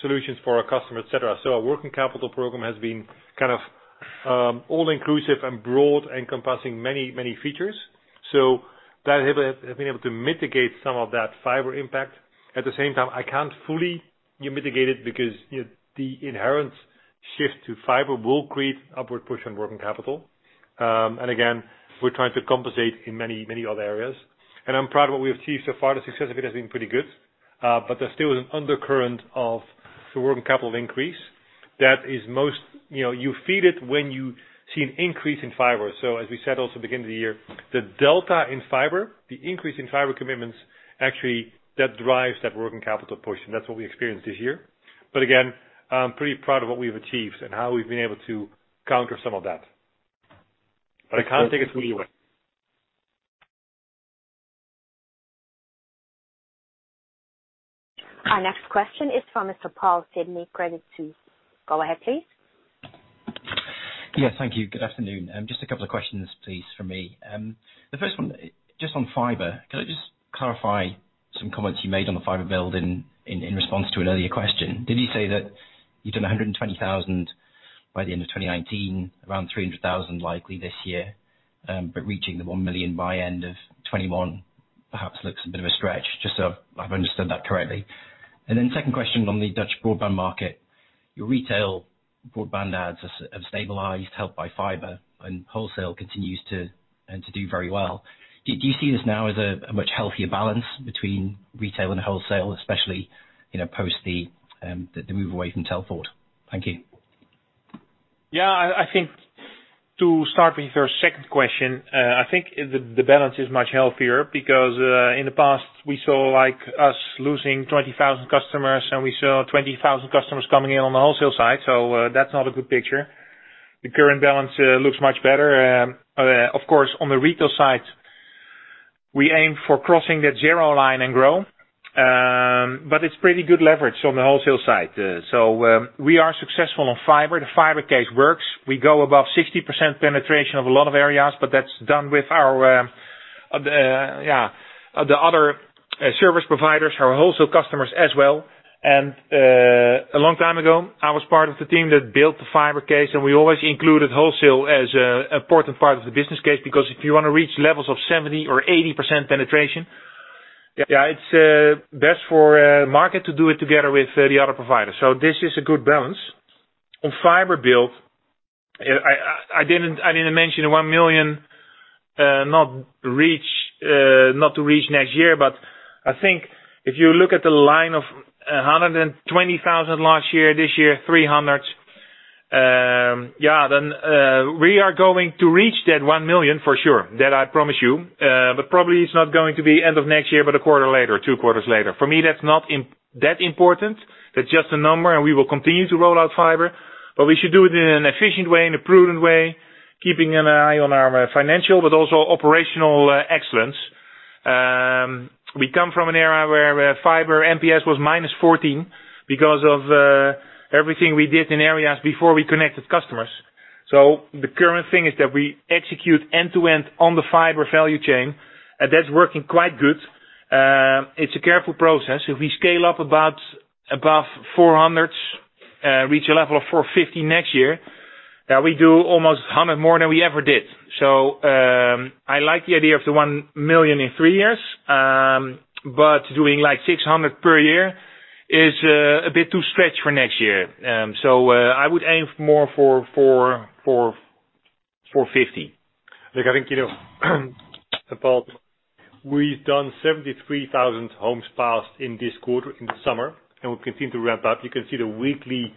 S4: solutions for our customers, et cetera. Our working capital program has been all inclusive and broad, encompassing many features. That has been able to mitigate some of that fiber impact. At the same time, I can't fully mitigate it because the inherent shift to fiber will create upward push on working capital. Again, we're trying to compensate in many, many other areas, and I'm proud of what we have achieved so far. The success of it has been pretty good. There still is an undercurrent of the working capital increase. You feel it when you see an increase in fiber. As we said also at the beginning of the year, the delta in fiber, the increase in fiber commitments, actually, that drives that working capital push, and that's what we experienced this year. Again, I'm pretty proud of what we've achieved and how we've been able to counter some of that. I can't take it fully away.
S1: Our next question is from Mr. Paul Sidney, Credit Suisse. Go ahead, please.
S10: Thank you. Good afternoon. Just a couple of questions, please, from me. The first one, just on fiber. Can I just clarify some comments you made on the fiber build in response to an earlier question? Did you say that you've done 120,000 by the end of 2019, around 300,000 likely this year? Reaching the 1 million by end of 2021 perhaps looks a bit of a stretch. Just so I've understood that correctly. Second question on the Dutch broadband market. Your retail broadband adds have stabilized, helped by fiber, and wholesale continues to do very well. Do you see this now as a much healthier balance between retail and wholesale, especially, post the move away from Telfort? Thank you.
S3: I think to start with your second question, I think the balance is much healthier because in the past we saw us losing 20,000 customers, and we saw 20,000 customers coming in on the wholesale side. The current balance looks much better. Of course, on the retail side, we aim for crossing that zero line and grow. It's pretty good leverage on the wholesale side. We are successful on fiber. The fiber case works. We go above 60% penetration of a lot of areas, but that's done with the other service providers, our wholesale customers as well. A long time ago, I was part of the team that built the fiber case, and we always included wholesale as an important part of the business case, because if you want to reach levels of 70% or 80% penetration, it's best for market to do it together with the other providers. This is a good balance. On fiber build, I didn't mention the 1 million, not to reach next year, but I think if you look at the line of 120,000 last year, this year, 300. We are going to reach that 1 million for sure. That I promise you. Probably it's not going to be end of next year, but a quarter later, two quarters later. For me, that's not that important. That's just a number, we will continue to roll out fiber, we should do it in an efficient way, in a prudent way, keeping an eye on our financial but also operational excellence. We come from an era where fiber NPS was -14% because of everything we did in areas before we connected customers. The current thing is that we execute end-to-end on the fiber value chain, that's working quite good. It's a careful process. If we scale up above 400, reach a level of 450 next year, we do almost 100 more than we ever did. I like the idea of the 1 million in three years, doing like 600 per year is a bit too stretched for next year. I would aim more for 450.
S4: Look, I think, we've done 73,000 homes passed in this quarter, in the summer. We'll continue to ramp up. You can see the weekly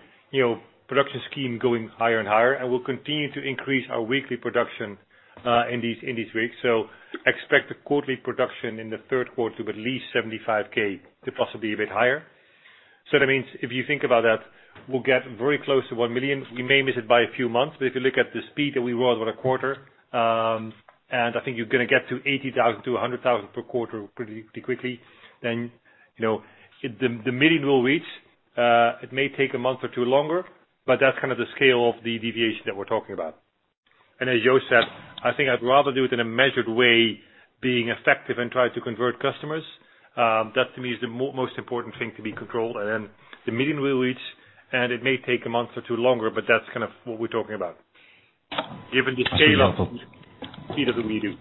S4: production scheme going higher and higher. We'll continue to increase our weekly production in these weeks. Expect the quarterly production in the third quarter of at least 75,000 to possibly a bit higher. That means if you think about that, we'll get very close to 1 million. We may miss it by a few months. If you look at the speed that we roll about a quarter, and I think you're going to get to 80,000-100,000 per quarter pretty quickly, the 1 million will reach. It may take a month or two longer. That's kind of the scale of the deviation that we're talking about. As Joost said, I think I'd rather do it in a measured way, being effective and try to convert customers. That to me is the most important thing to be controlled. The million will reach, and it may take a month or two longer, that's kind of what we're talking about. Given the scale of the speed of what we do.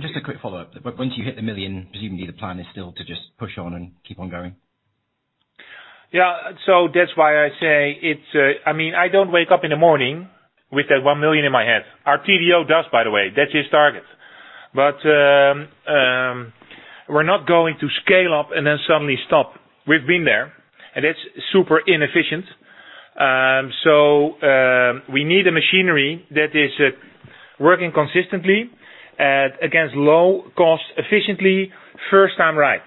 S10: Just a quick follow-up. Once you hit the million, presumably the plan is still to just push on and keep on going.
S3: That's why I say, I don't wake up in the morning with that 1 million in my head. Our Technology & Digital Office does, by the way. That's his target. We're not going to scale up and then suddenly stop. We've been there, and it's super inefficient. We need a machinery that is working consistently at against low cost, efficiently, first time right.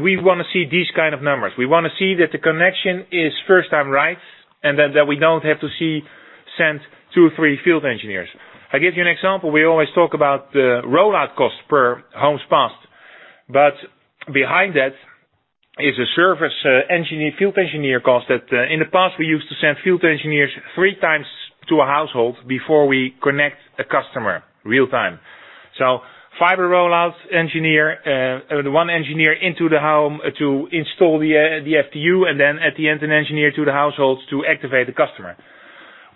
S3: We want to see these kind of numbers. We want to see that the connection is first time right, and then that we don't have to send two or three field engineers. I'll give you an example. We always talk about the rollout cost per homes passed. Behind that is a service field engineer cost that in the past, we used to send field engineers three times to a household before we connect a customer real-time. Fiber rollout engineer, the one engineer into the home to install the FTU, and then at the end, an engineer to the households to activate the customer.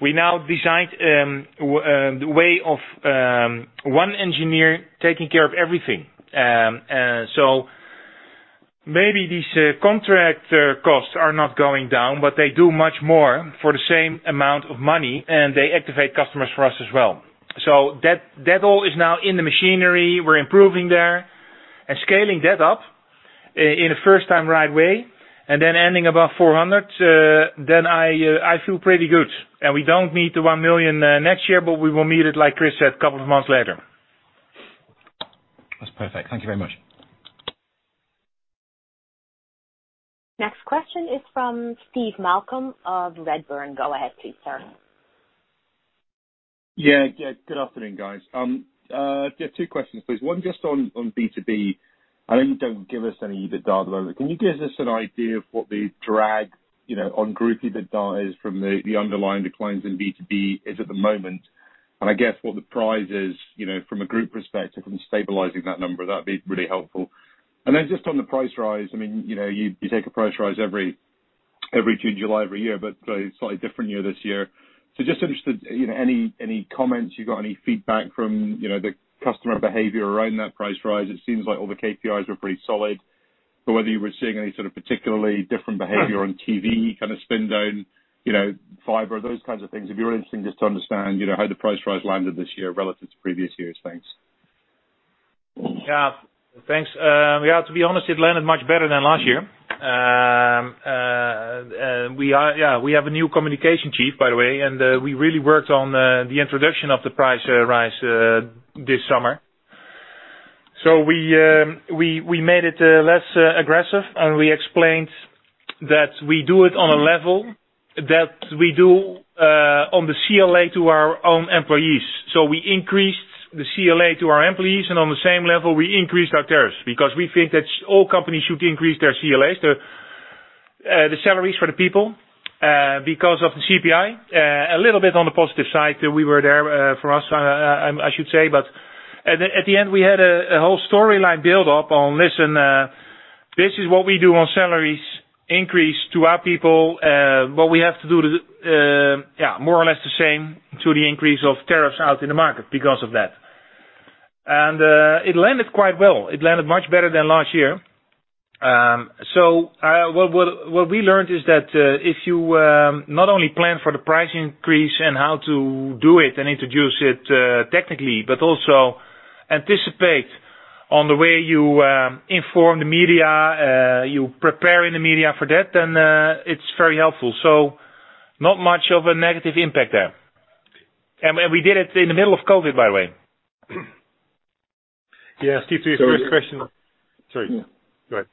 S3: We now designed a way of one engineer taking care of everything. Maybe these contract costs are not going down, but they do much more for the same amount of money, and they activate customers for us as well. That all is now in the machinery. We're improving there and scaling that up in a first time right way, and then ending above 400. I feel pretty good. We don't meet the 1 million next year, but we will meet it, like Chris said, a couple of months later.
S10: That's perfect. Thank you very much.
S1: Next question is from Steve Malcolm of Redburn. Go ahead please, sir.
S11: Good afternoon, guys. Two questions, please. One just on B2B. I know you don't give us any EBITDA, but can you give us an idea of what the drag on group EBITDA is from the underlying declines in B2B is at the moment? I guess what the prize is from a group perspective on stabilizing that number? That'd be really helpful. Then just on the price rise, you take a price rise every June, July every year, but slightly different year this year. Just interested, any comments, you got any feedback from the customer behavior around that price rise? It seems like all the KPIs were pretty solid. Whether you were seeing any sort of particularly different behavior on TV, kind of spin down, fiber, those kinds of things. If you're interested just to understand how the price rise landed this year relative to previous years. Thanks.
S3: Yeah. Thanks. To be honest, it landed much better than last year. We have a new communication chief, by the way, and we really worked on the introduction of the price rise this summer. We made it less aggressive, and we explained that we do it on a level that we do on the Collective Labor Agreement to our own employees. We increased the CLA to our employees, and on the same level, we increased our tariffs, because we think that all companies should increase their CLAs, the salaries for the people, because of the consumer price index. A little bit on the positive side, we were there for us, I should say. At the end, we had a whole storyline build up on, listen, this is what we do on salaries increase to our people. What we have to do, more or less the same to the increase of tariffs out in the market because of that. It landed quite well. It landed much better than last year. What we learned is that if you not only plan for the price increase and how to do it and introduce it technically, but also anticipate on the way you inform the media, you prepare the media for that, then it's very helpful. Not much of a negative impact there. We did it in the middle of COVID, by the way.
S4: Yeah. Steve, to your first question. Sorry. Go ahead.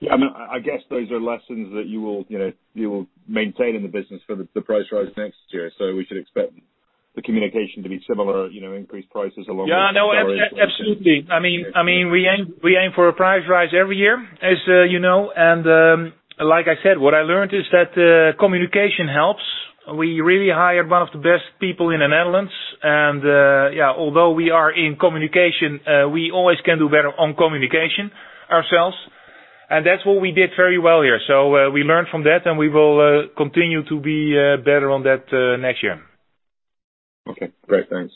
S11: Yeah. I guess those are lessons that you will maintain in the business for the price rise next year. We should expect the communication to be similar, increased prices along with.
S3: Yeah, no, absolutely. We aim for a price rise every year, as you know. Like I said, what I learned is that communication helps. We really hired one of the best people in the Netherlands. Although we are in communication, we always can do better on communication ourselves. That's what we did very well here. We learned from that, and we will continue to be better on that next year.
S11: Okay, great. Thanks.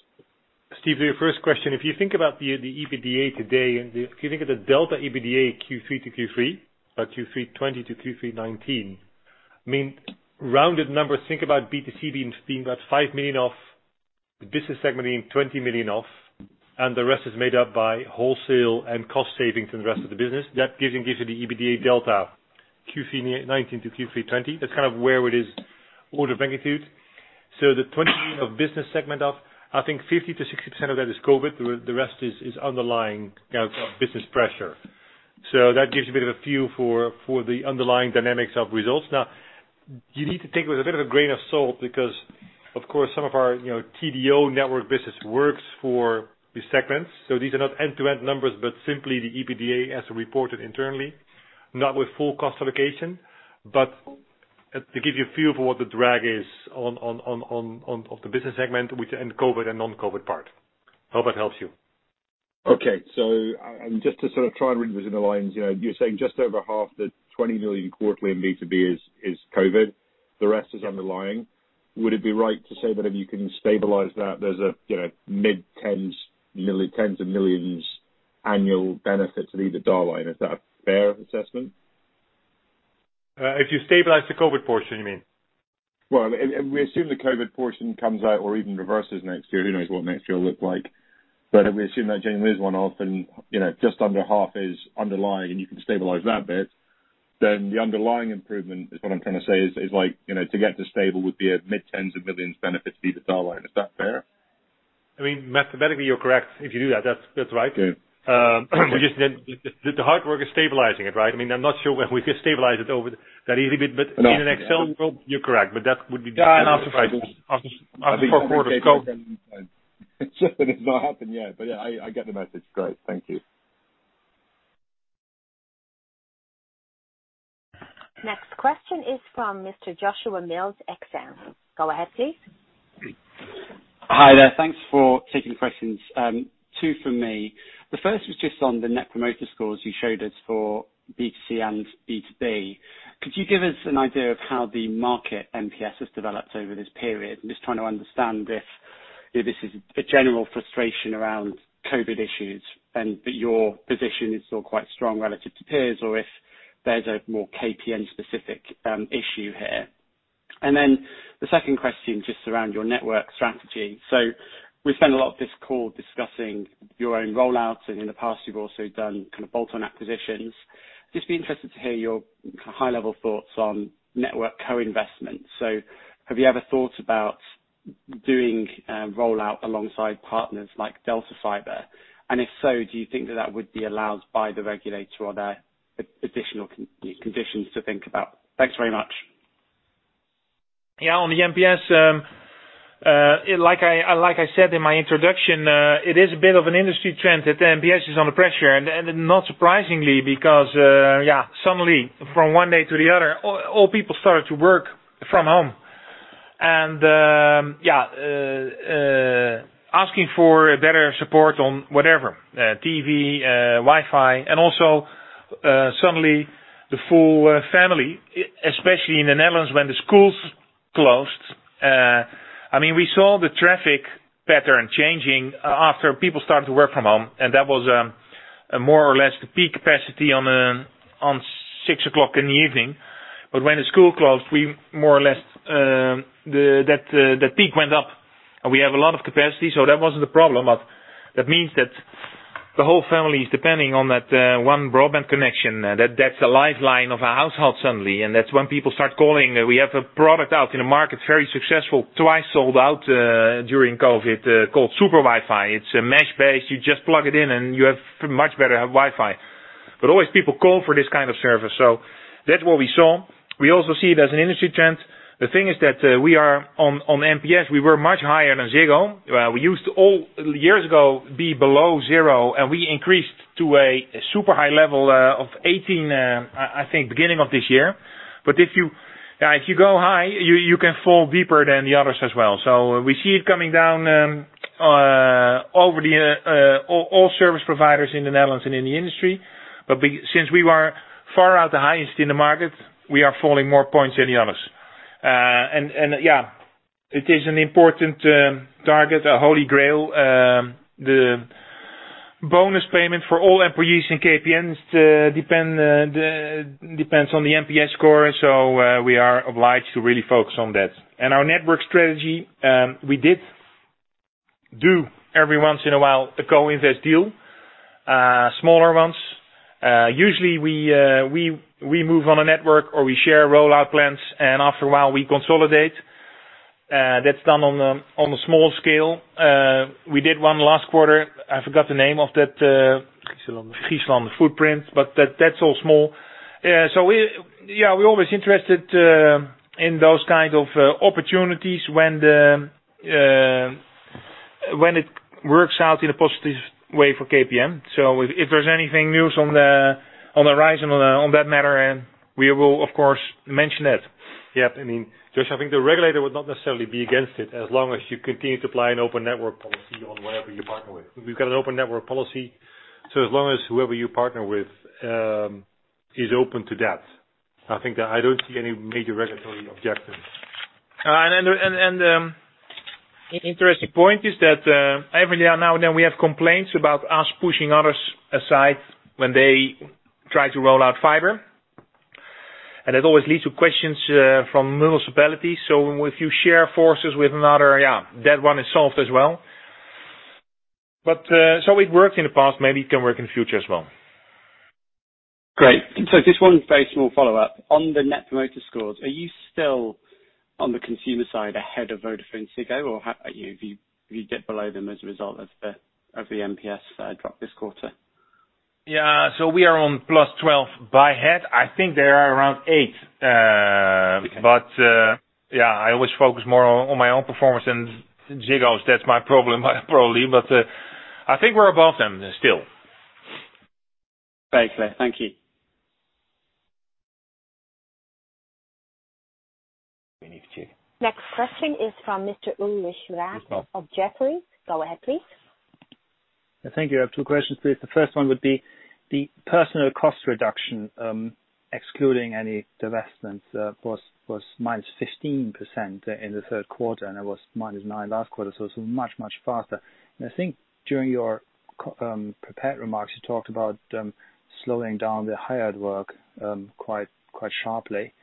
S4: Steve, to your first question. If you think about the EBITDA today, and if you think of the delta EBITDA Q3 to Q3 2020 to Q3 2019, rounded numbers, think about B2C being about 5 million off, the business segment being 20 million off, and the rest is made up by wholesale and cost savings in the rest of the business. That gives you the EBITDA delta Q3 2019 to Q3 2020. That's kind of where it is order of magnitude. The 20 million of business segment off, I think 50%-60% of that is COVID. The rest is underlying business pressure. That gives you a bit of a feel for the underlying dynamics of results. Now, you need to take it with a bit of a grain of salt because, of course, some of our TDO network business works for these segments. These are not end-to-end numbers, but simply the EBITDA as reported internally, not with full cost allocation. To give you a feel for what the drag is of the business segment, between COVID and non-COVID part. Hope that helps you.
S11: Okay. Just to sort of try and read between the lines, you're saying just over half the 20 million quarterly in B2B is COVID. The rest is underlying. Would it be right to say that if you can stabilize that, there's a mid-tens of millions annual benefit to the EBITDA line? Is that a fair assessment?
S4: If you stabilize the COVID portion, you mean?
S11: Well, we assume the COVID-19 portion comes out or even reverses next year. Who knows what next year will look like? If we assume that genuinely is one-off, and just under half is underlying, and you can stabilize that bit, the underlying improvement is what I'm trying to say is, to get to stable would be a mid-tens of millions benefit to the EBITDA line. Is that fair?
S4: Mathematically, you're correct. If you do that's right.
S11: Yeah.
S4: The hard work is stabilizing it. I'm not sure we can stabilize it over that easily. In an Excel world, you're correct, but that would be an afterthought after four quarters of COVID.
S11: It's just that it's not happened yet. Yeah, I get the message. Great. Thank you.
S1: Next question is from Mr. Joshua Mills, Exane. Go ahead, please.
S12: Hi there. Thanks for taking the questions. Two from me. The first was just on the net promoter scores you showed us for B2C and B2B. Could you give us an idea of how the market NPS has developed over this period? I'm just trying to understand if this is a general frustration around COVID-19 issues, and that your position is still quite strong relative to peers, or if there's a more KPN specific issue here. The second question, just around your network strategy. We spent a lot of this call discussing your own rollouts, and in the past you've also done bolt-on acquisitions. Just be interested to hear your high level thoughts on network co-investment. Have you ever thought about doing a rollout alongside partners like DELTA Fiber? If so, do you think that that would be allowed by the regulator or are there additional conditions to think about? Thanks very much.
S3: Yeah. On the NPS, like I said in my introduction, it is a bit of an industry trend that the NPS is under pressure. Not surprisingly because suddenly from one day to the other, all people started to work from home. Asking for better support on whatever, TV, Wi-Fi, and also suddenly the full family, especially in the Netherlands, when the schools closed. We saw the traffic pattern changing after people started to work from home, and that was more or less the peak capacity on six o'clock in the evening. When the school closed, more or less, the peak went up, and we have a lot of capacity, so that wasn't a problem. That means that the whole family is depending on that one broadband connection. That's a lifeline of a household suddenly. That's when people start calling. We have a product out in the market, very successful, twice sold out during COVID, called SuperWifi. It's mesh-based. You just plug it in, and you have much better Wi-Fi. Always people call for this kind of service, that's what we saw. We also see it as an industry trend. The thing is that we are on NPS, we were much higher than Ziggo, where we used to, years ago, be below zero, we increased to a super high level of 18, I think, beginning of this year. If you go high, you can fall deeper than the others as well. We see it coming down all service providers in the Netherlands and in the industry. Since we were far out the highest in the market, we are falling more points than the others. Yeah, it is an important target, a holy grail. The bonus payment for all employees in KPN depends on the NPS score. We are obliged to really focus on that. Our network strategy, we did do every once in a while a co-invest deal, smaller ones. Usually, we move on a network, or we share rollout plans, and after a while we consolidate. That's done on a small scale. We did one last quarter. I forgot the name of that.
S4: Friesland.
S3: Friesland footprint, that's all small. We're always interested in those kind of opportunities when it works out in a positive way for KPN. If there's anything new on the horizon on that matter, we will of course mention it.
S4: Yeah. I mean, Joshua, I think the regulator would not necessarily be against it as long as you continue to apply an open network policy on whoever you partner with. We've got an open network policy, so as long as whoever you partner with is open to that. I don't see any major regulatory objections.
S3: Interesting point is that every now and then we have complaints about us pushing others aside when they try to roll out fiber. It always leads to questions from municipalities. If you share forces with another, that one is solved as well. It worked in the past, maybe it can work in the future as well.
S12: Great. Just one very small follow-up. On the Net Promoter Scores, are you still on the consumer side ahead of or have you dipped below them as a result of the NPS drop this quarter?
S3: Yeah. We are on +12 by head. I think they are around eight.
S12: Okay.
S3: Yeah, I always focus more on my own performance than Ziggo's. That's my problem probably, but I think we're above them still.
S12: Very clear. Thank you.
S1: Next question is from Mr. Ulrich Rathe of Jefferies. Go ahead, please.
S13: Thank you. I have two questions, please. The first one would be the personnel cost reduction, excluding any divestment, was -15% in the third quarter, and it was -9% last quarter. much faster. I think during your prepared remarks, you talked about slowing down the hired work quite sharply.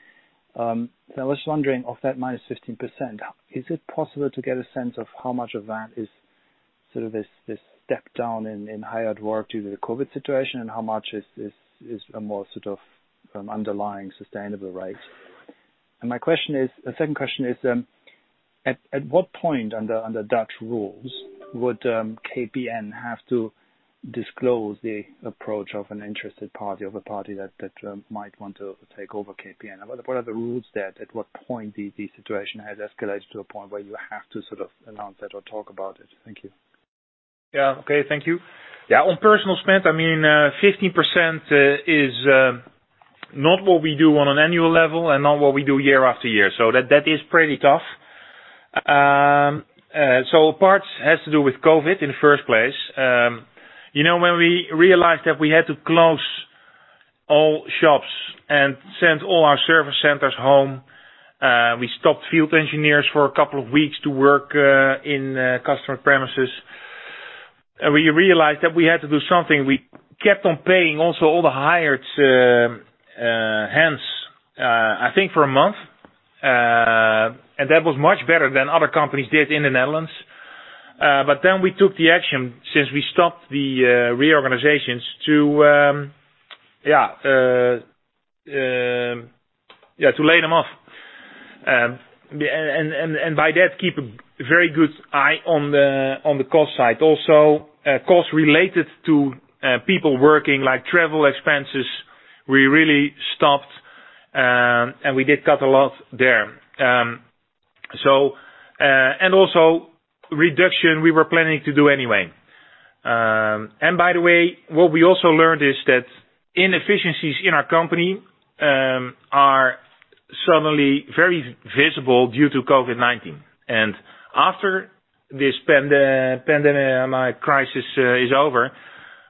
S13: I was wondering, of that -15%, is it possible to get a sense of how much of that is sort of this step down in hired work due to the COVID-19 situation, and how much is a more sort of underlying sustainable rate? The second question is, at what point under Dutch rules would KPN have to disclose the approach of an interested party or the party that might want to take over KPN? What are the rules there? At what point the situation has escalated to a point where you have to sort of announce it or talk about it? Thank you.
S3: Yeah. Okay. Thank you. Yeah. On personal spend, 15% is not what we do on an annual level and not what we do year after year. That is pretty tough. A part has to do with COVID in the first place. When we realized that we had to close all shops and send all our service centers home, we stopped field engineers for a couple of weeks to work in customer premises. We realized that we had to do something. We kept on paying also all the hired hands, I think, for a month. That was much better than other companies did in the Netherlands. Then we took the action since we stopped the reorganizations to lay them off. By that, keep a very good eye on the cost side. Costs related to people working, like travel expenses, we really stopped, and we did cut a lot there. Reduction we were planning to do anyway. By the way, what we also learned is that inefficiencies in our company are suddenly very visible due to COVID-19. After this pandemic crisis is over,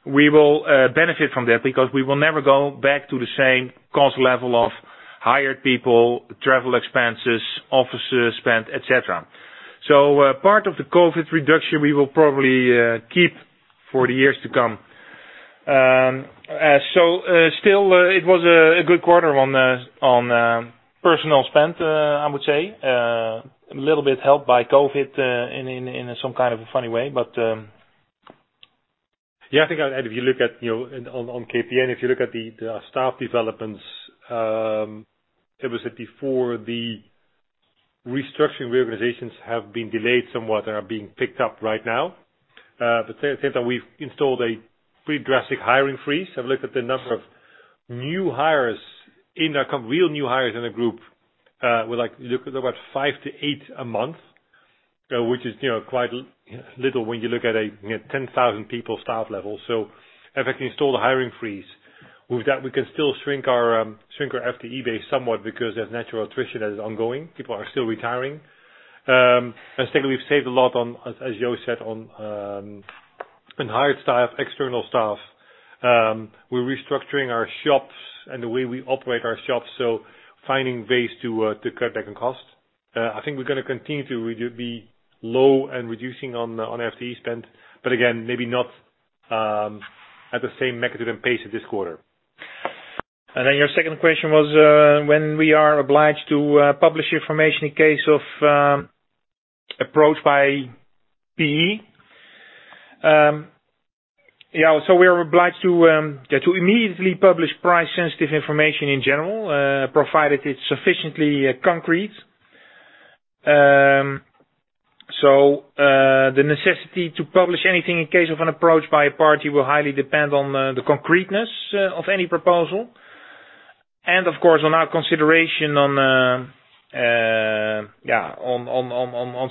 S3: we will benefit from that because we will never go back to the same cost level of hired people, travel expenses, office spend, et cetera. Part of the COVID reduction, we will probably keep for the years to come. Still, it was a good quarter on personnel spend, I would say. A little bit helped by COVID, in some kind of a funny way.
S4: Yeah, I think if you look at on KPN, if you look at the staff developments, it was before the restructuring reorganizations have been delayed somewhat and are being picked up right now. Since then, we've installed a pretty drastic hiring freeze. Have a look at the number of new hires in our real new hires in the group, we're looking about five to eight a month. Which is quite little when you look at a 10,000 people staff level. Effectively installed a hiring freeze. With that, we can still shrink our full-time equivalent base somewhat because there's natural attrition that is ongoing. People are still retiring. Secondly, we've saved a lot on, as Joost said, on hired staff, external staff. We're restructuring our shops and the way we operate our shops, finding ways to cut back on cost. I think we're going to continue to be low and reducing on FTE spend, but again, maybe not at the same magnitude and pace as this quarter. Your second question was, when we are obliged to publish information in case of approach by private equity. We are obliged to immediately publish price sensitive information in general, provided it's sufficiently concrete. The necessity to publish anything in case of an approach by a party will highly depend on the concreteness of any proposal. Of course, on our consideration on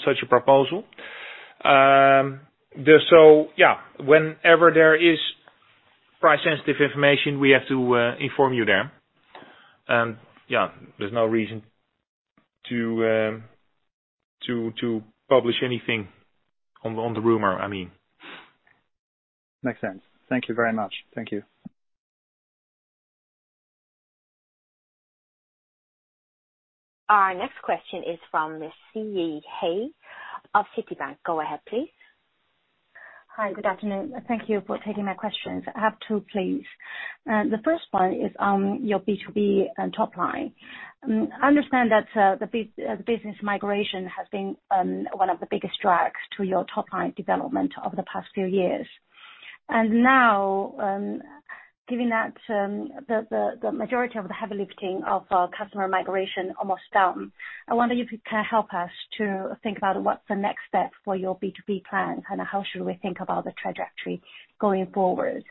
S4: such a proposal. Whenever there is price sensitive information, we have to inform you then. There's no reason to publish anything on the rumor, I mean.
S13: Makes sense. Thank you very much. Thank you.
S1: Our next question is from Siyi He of Citi. Go ahead, please.
S14: Hi. Good afternoon. Thank you for taking my questions. I have two, please. The first one is on your B2B top line. I understand that the business migration has been one of the biggest drags to your top line development over the past few years. Now, given that the majority of the heavy lifting of customer migration almost done, I wonder if you can help us to think about what's the next step for your B2B plan. Kind of how should we think about the trajectory going forward.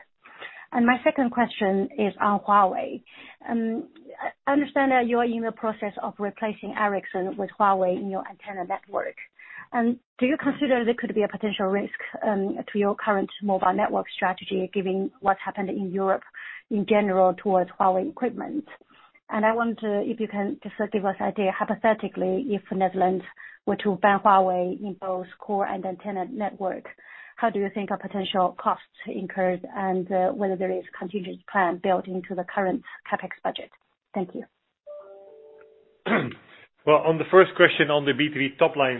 S14: My second question is on Huawei. I understand that you are in the process of replacing Ericsson with Huawei in your antenna network. Do you consider there could be a potential risk to your current mobile network strategy given what's happened in Europe in general towards Huawei equipment? I wonder if you can just give us idea hypothetically, if Netherlands were to ban Huawei in both core and antenna network, how do you think of potential costs incurred and whether there is contingency plan built into the current CapEx budget? Thank you.
S4: Well, on the first question on the B2B top line,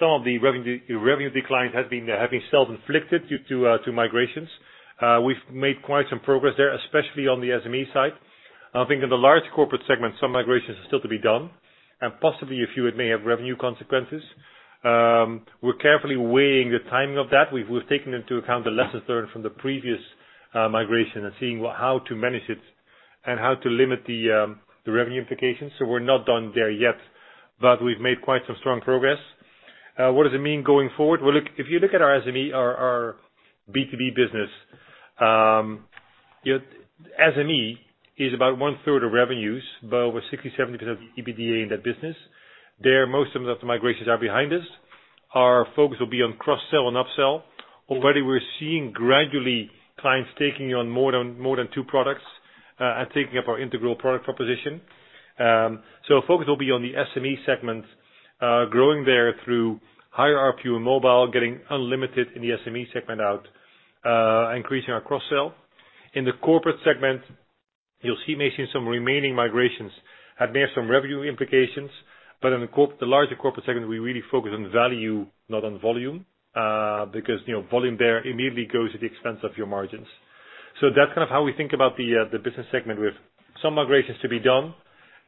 S4: some of the revenue decline has been heavily self-inflicted due to migrations. We've made quite some progress there, especially on the SME side. I think in the large corporate segment, some migrations are still to be done, and possibly a few may have revenue consequences. We're carefully weighing the timing of that. We've taken into account the lessons learned from the previous migration and seeing how to manage it and how to limit the revenue implications. We're not done there yet, but we've made quite some strong progress. What does it mean going forward? Well, if you look at our SME, our B2B business, SME is about one-third of revenues, but over 60%-70% of the EBITDA in that business. There most of the migrations are behind us. Our focus will be on cross-sell and up-sell. Already we're seeing gradually clients taking on more than two products, and taking up our integral product proposition. Our focus will be on the SME segment, growing there through higher ARPU mobile, getting unlimited in the SME segment out, increasing our cross-sell. In the corporate segment, you'll see maybe some remaining migrations. There's some revenue implications, but in the larger corporate segment, we really focus on value, not on volume. Volume there immediately goes at the expense of your margins. That's kind of how we think about the business segment. We have some migrations to be done,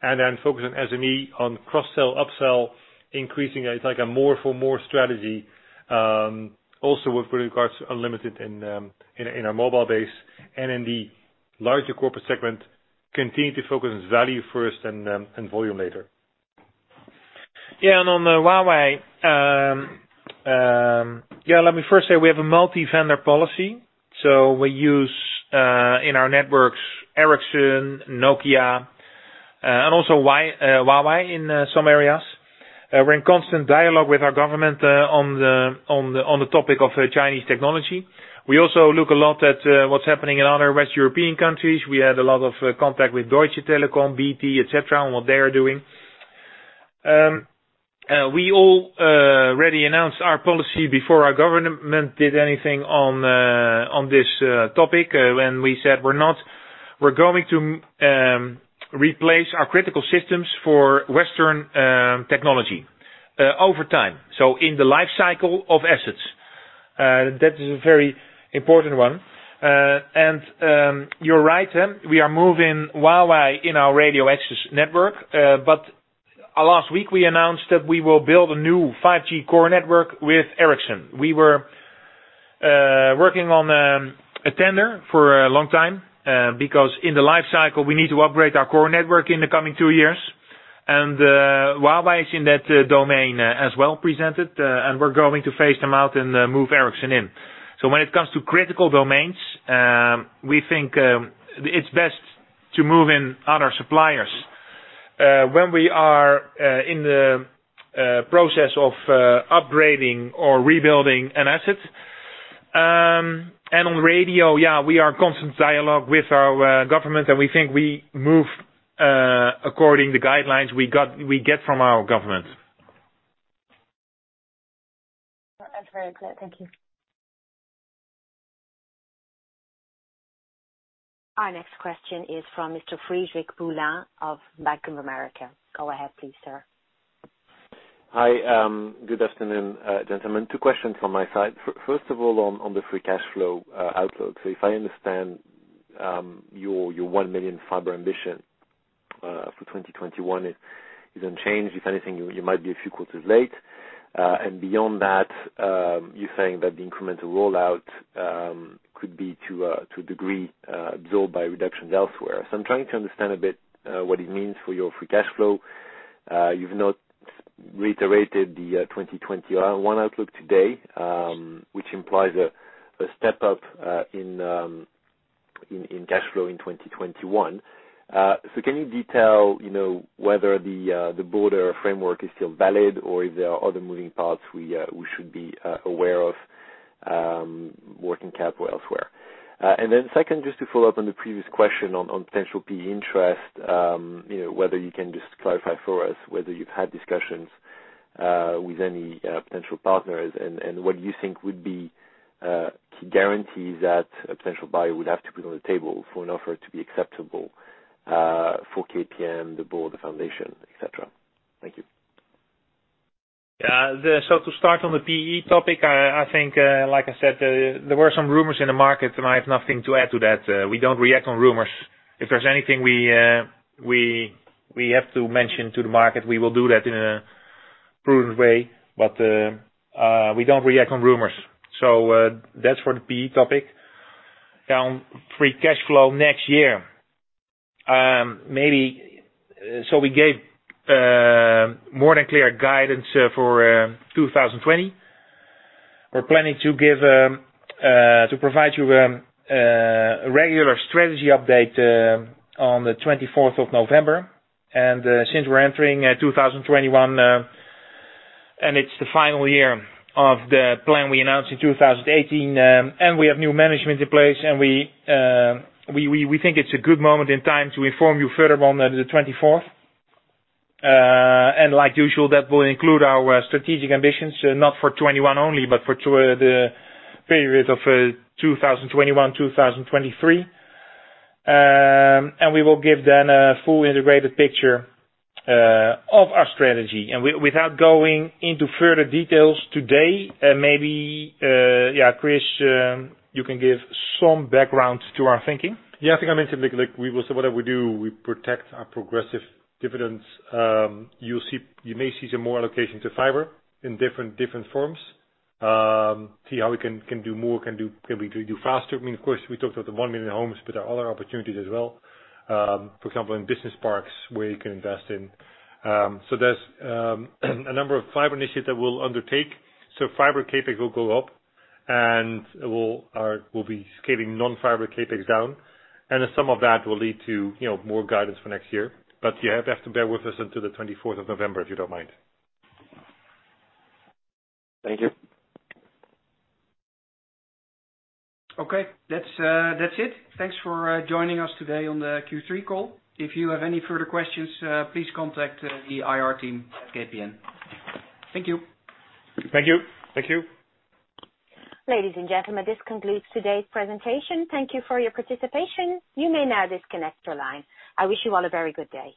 S4: and then focus on SME, on cross-sell, up-sell, increasing. It's like a more for more strategy. With regards to unlimited in our mobile base. In the larger corporate segment, continue to focus on value first and volume later.
S3: Yeah, on Huawei. Let me first say we have a multi-vendor policy. We use, in our networks, Ericsson, Nokia, and also Huawei in some areas. We're in constant dialogue with our government on the topic of Chinese technology. We also look a lot at what's happening in other West European countries. We had a lot of contact with Deutsche Telekom, BT, et cetera, and what they are doing. We already announced our policy before our government did anything on this topic, when we said we're going to replace our critical systems for Western technology over time. In the life cycle of assets. That is a very important one. You're right. We are moving Huawei in our Radio Access Network. Last week we announced that we will build a new 5G core network with Ericsson. We were working on a tender for a long time, because in the life cycle, we need to upgrade our core network in the coming two years. Huawei is in that domain as well presented, and we're going to phase them out and move Ericsson in. When it comes to critical domains, we think it's best to move in other suppliers. When we are in the process of upgrading or rebuilding an asset. On radio, yeah, we are constant dialogue with our government, and we think we move according the guidelines we get from our government.
S14: That's very clear. Thank you.
S1: Our next question is from Mr. Frederic Boulan of Bank of America. Go ahead please, sir.
S15: Hi. Good afternoon, gentlemen. Two questions from my side. First of all, on the free cash flow outlook. If I understand, your 1 million fiber ambition for 2021 is unchanged. If anything, you might be a few quarters late. Beyond that, you're saying that the incremental rollout could be to a degree absorbed by reductions elsewhere. I'm trying to understand a bit what it means for your free cash flow. You've not reiterated the 2021 outlook today, which implies a step up in cash flow in 2021. Can you detail whether the broader framework is still valid or if there are other moving parts we should be aware of, working cap or elsewhere? Second, just to follow up on the previous question on potential PE interest, whether you can just clarify for us whether you've had discussions with any potential partners and what you think would be key guarantees that a potential buyer would have to put on the table for an offer to be acceptable for KPN, the board, the foundation, et cetera? Thank you.
S3: To start on the PE topic, I think, like I said, there were some rumors in the market, and I have nothing to add to that. We don't react on rumors. If there's anything we have to mention to the market, we will do that in a prudent way, but we don't react on rumors. That's for the PE topic. On free cash flow next year. We gave more than clear guidance for 2020. We're planning to provide you a regular strategy update on the 24th of November. Since we're entering 2021, and it's the final year of the plan we announced in 2018, and we have new management in place, and we think it's a good moment in time to inform you further on the 24th. Like usual, that will include our strategic ambitions, not for 2021 only, but for the period of 2021-2023. We will give then a full integrated picture of our strategy. Without going into further details today, maybe Chris, you can give some background to our thinking.
S4: Yeah, I think I mentioned, we will say whatever we do, we protect our progressive dividends. You may see some more allocation to fiber in different forms. See how we can do more, can we do faster? I mean, of course, we talked about the 1 million homes. There are other opportunities as well. For example, in business parks where you can invest in. There's a number of fiber initiatives that we'll undertake. Fiber CapEx will go up. We'll be scaling non-fiber CapEx down. Some of that will lead to more guidance for next year. You have to bear with us until the 24th of November, if you don't mind.
S15: Thank you.
S2: Okay. That's it. Thanks for joining us today on the Q3 call. If you have any further questions, please contact the IR team at KPN. Thank you.
S3: Thank you.
S4: Thank you.
S1: Ladies and gentlemen, this concludes today's presentation. Thank you for your participation. I wish you all a very good day.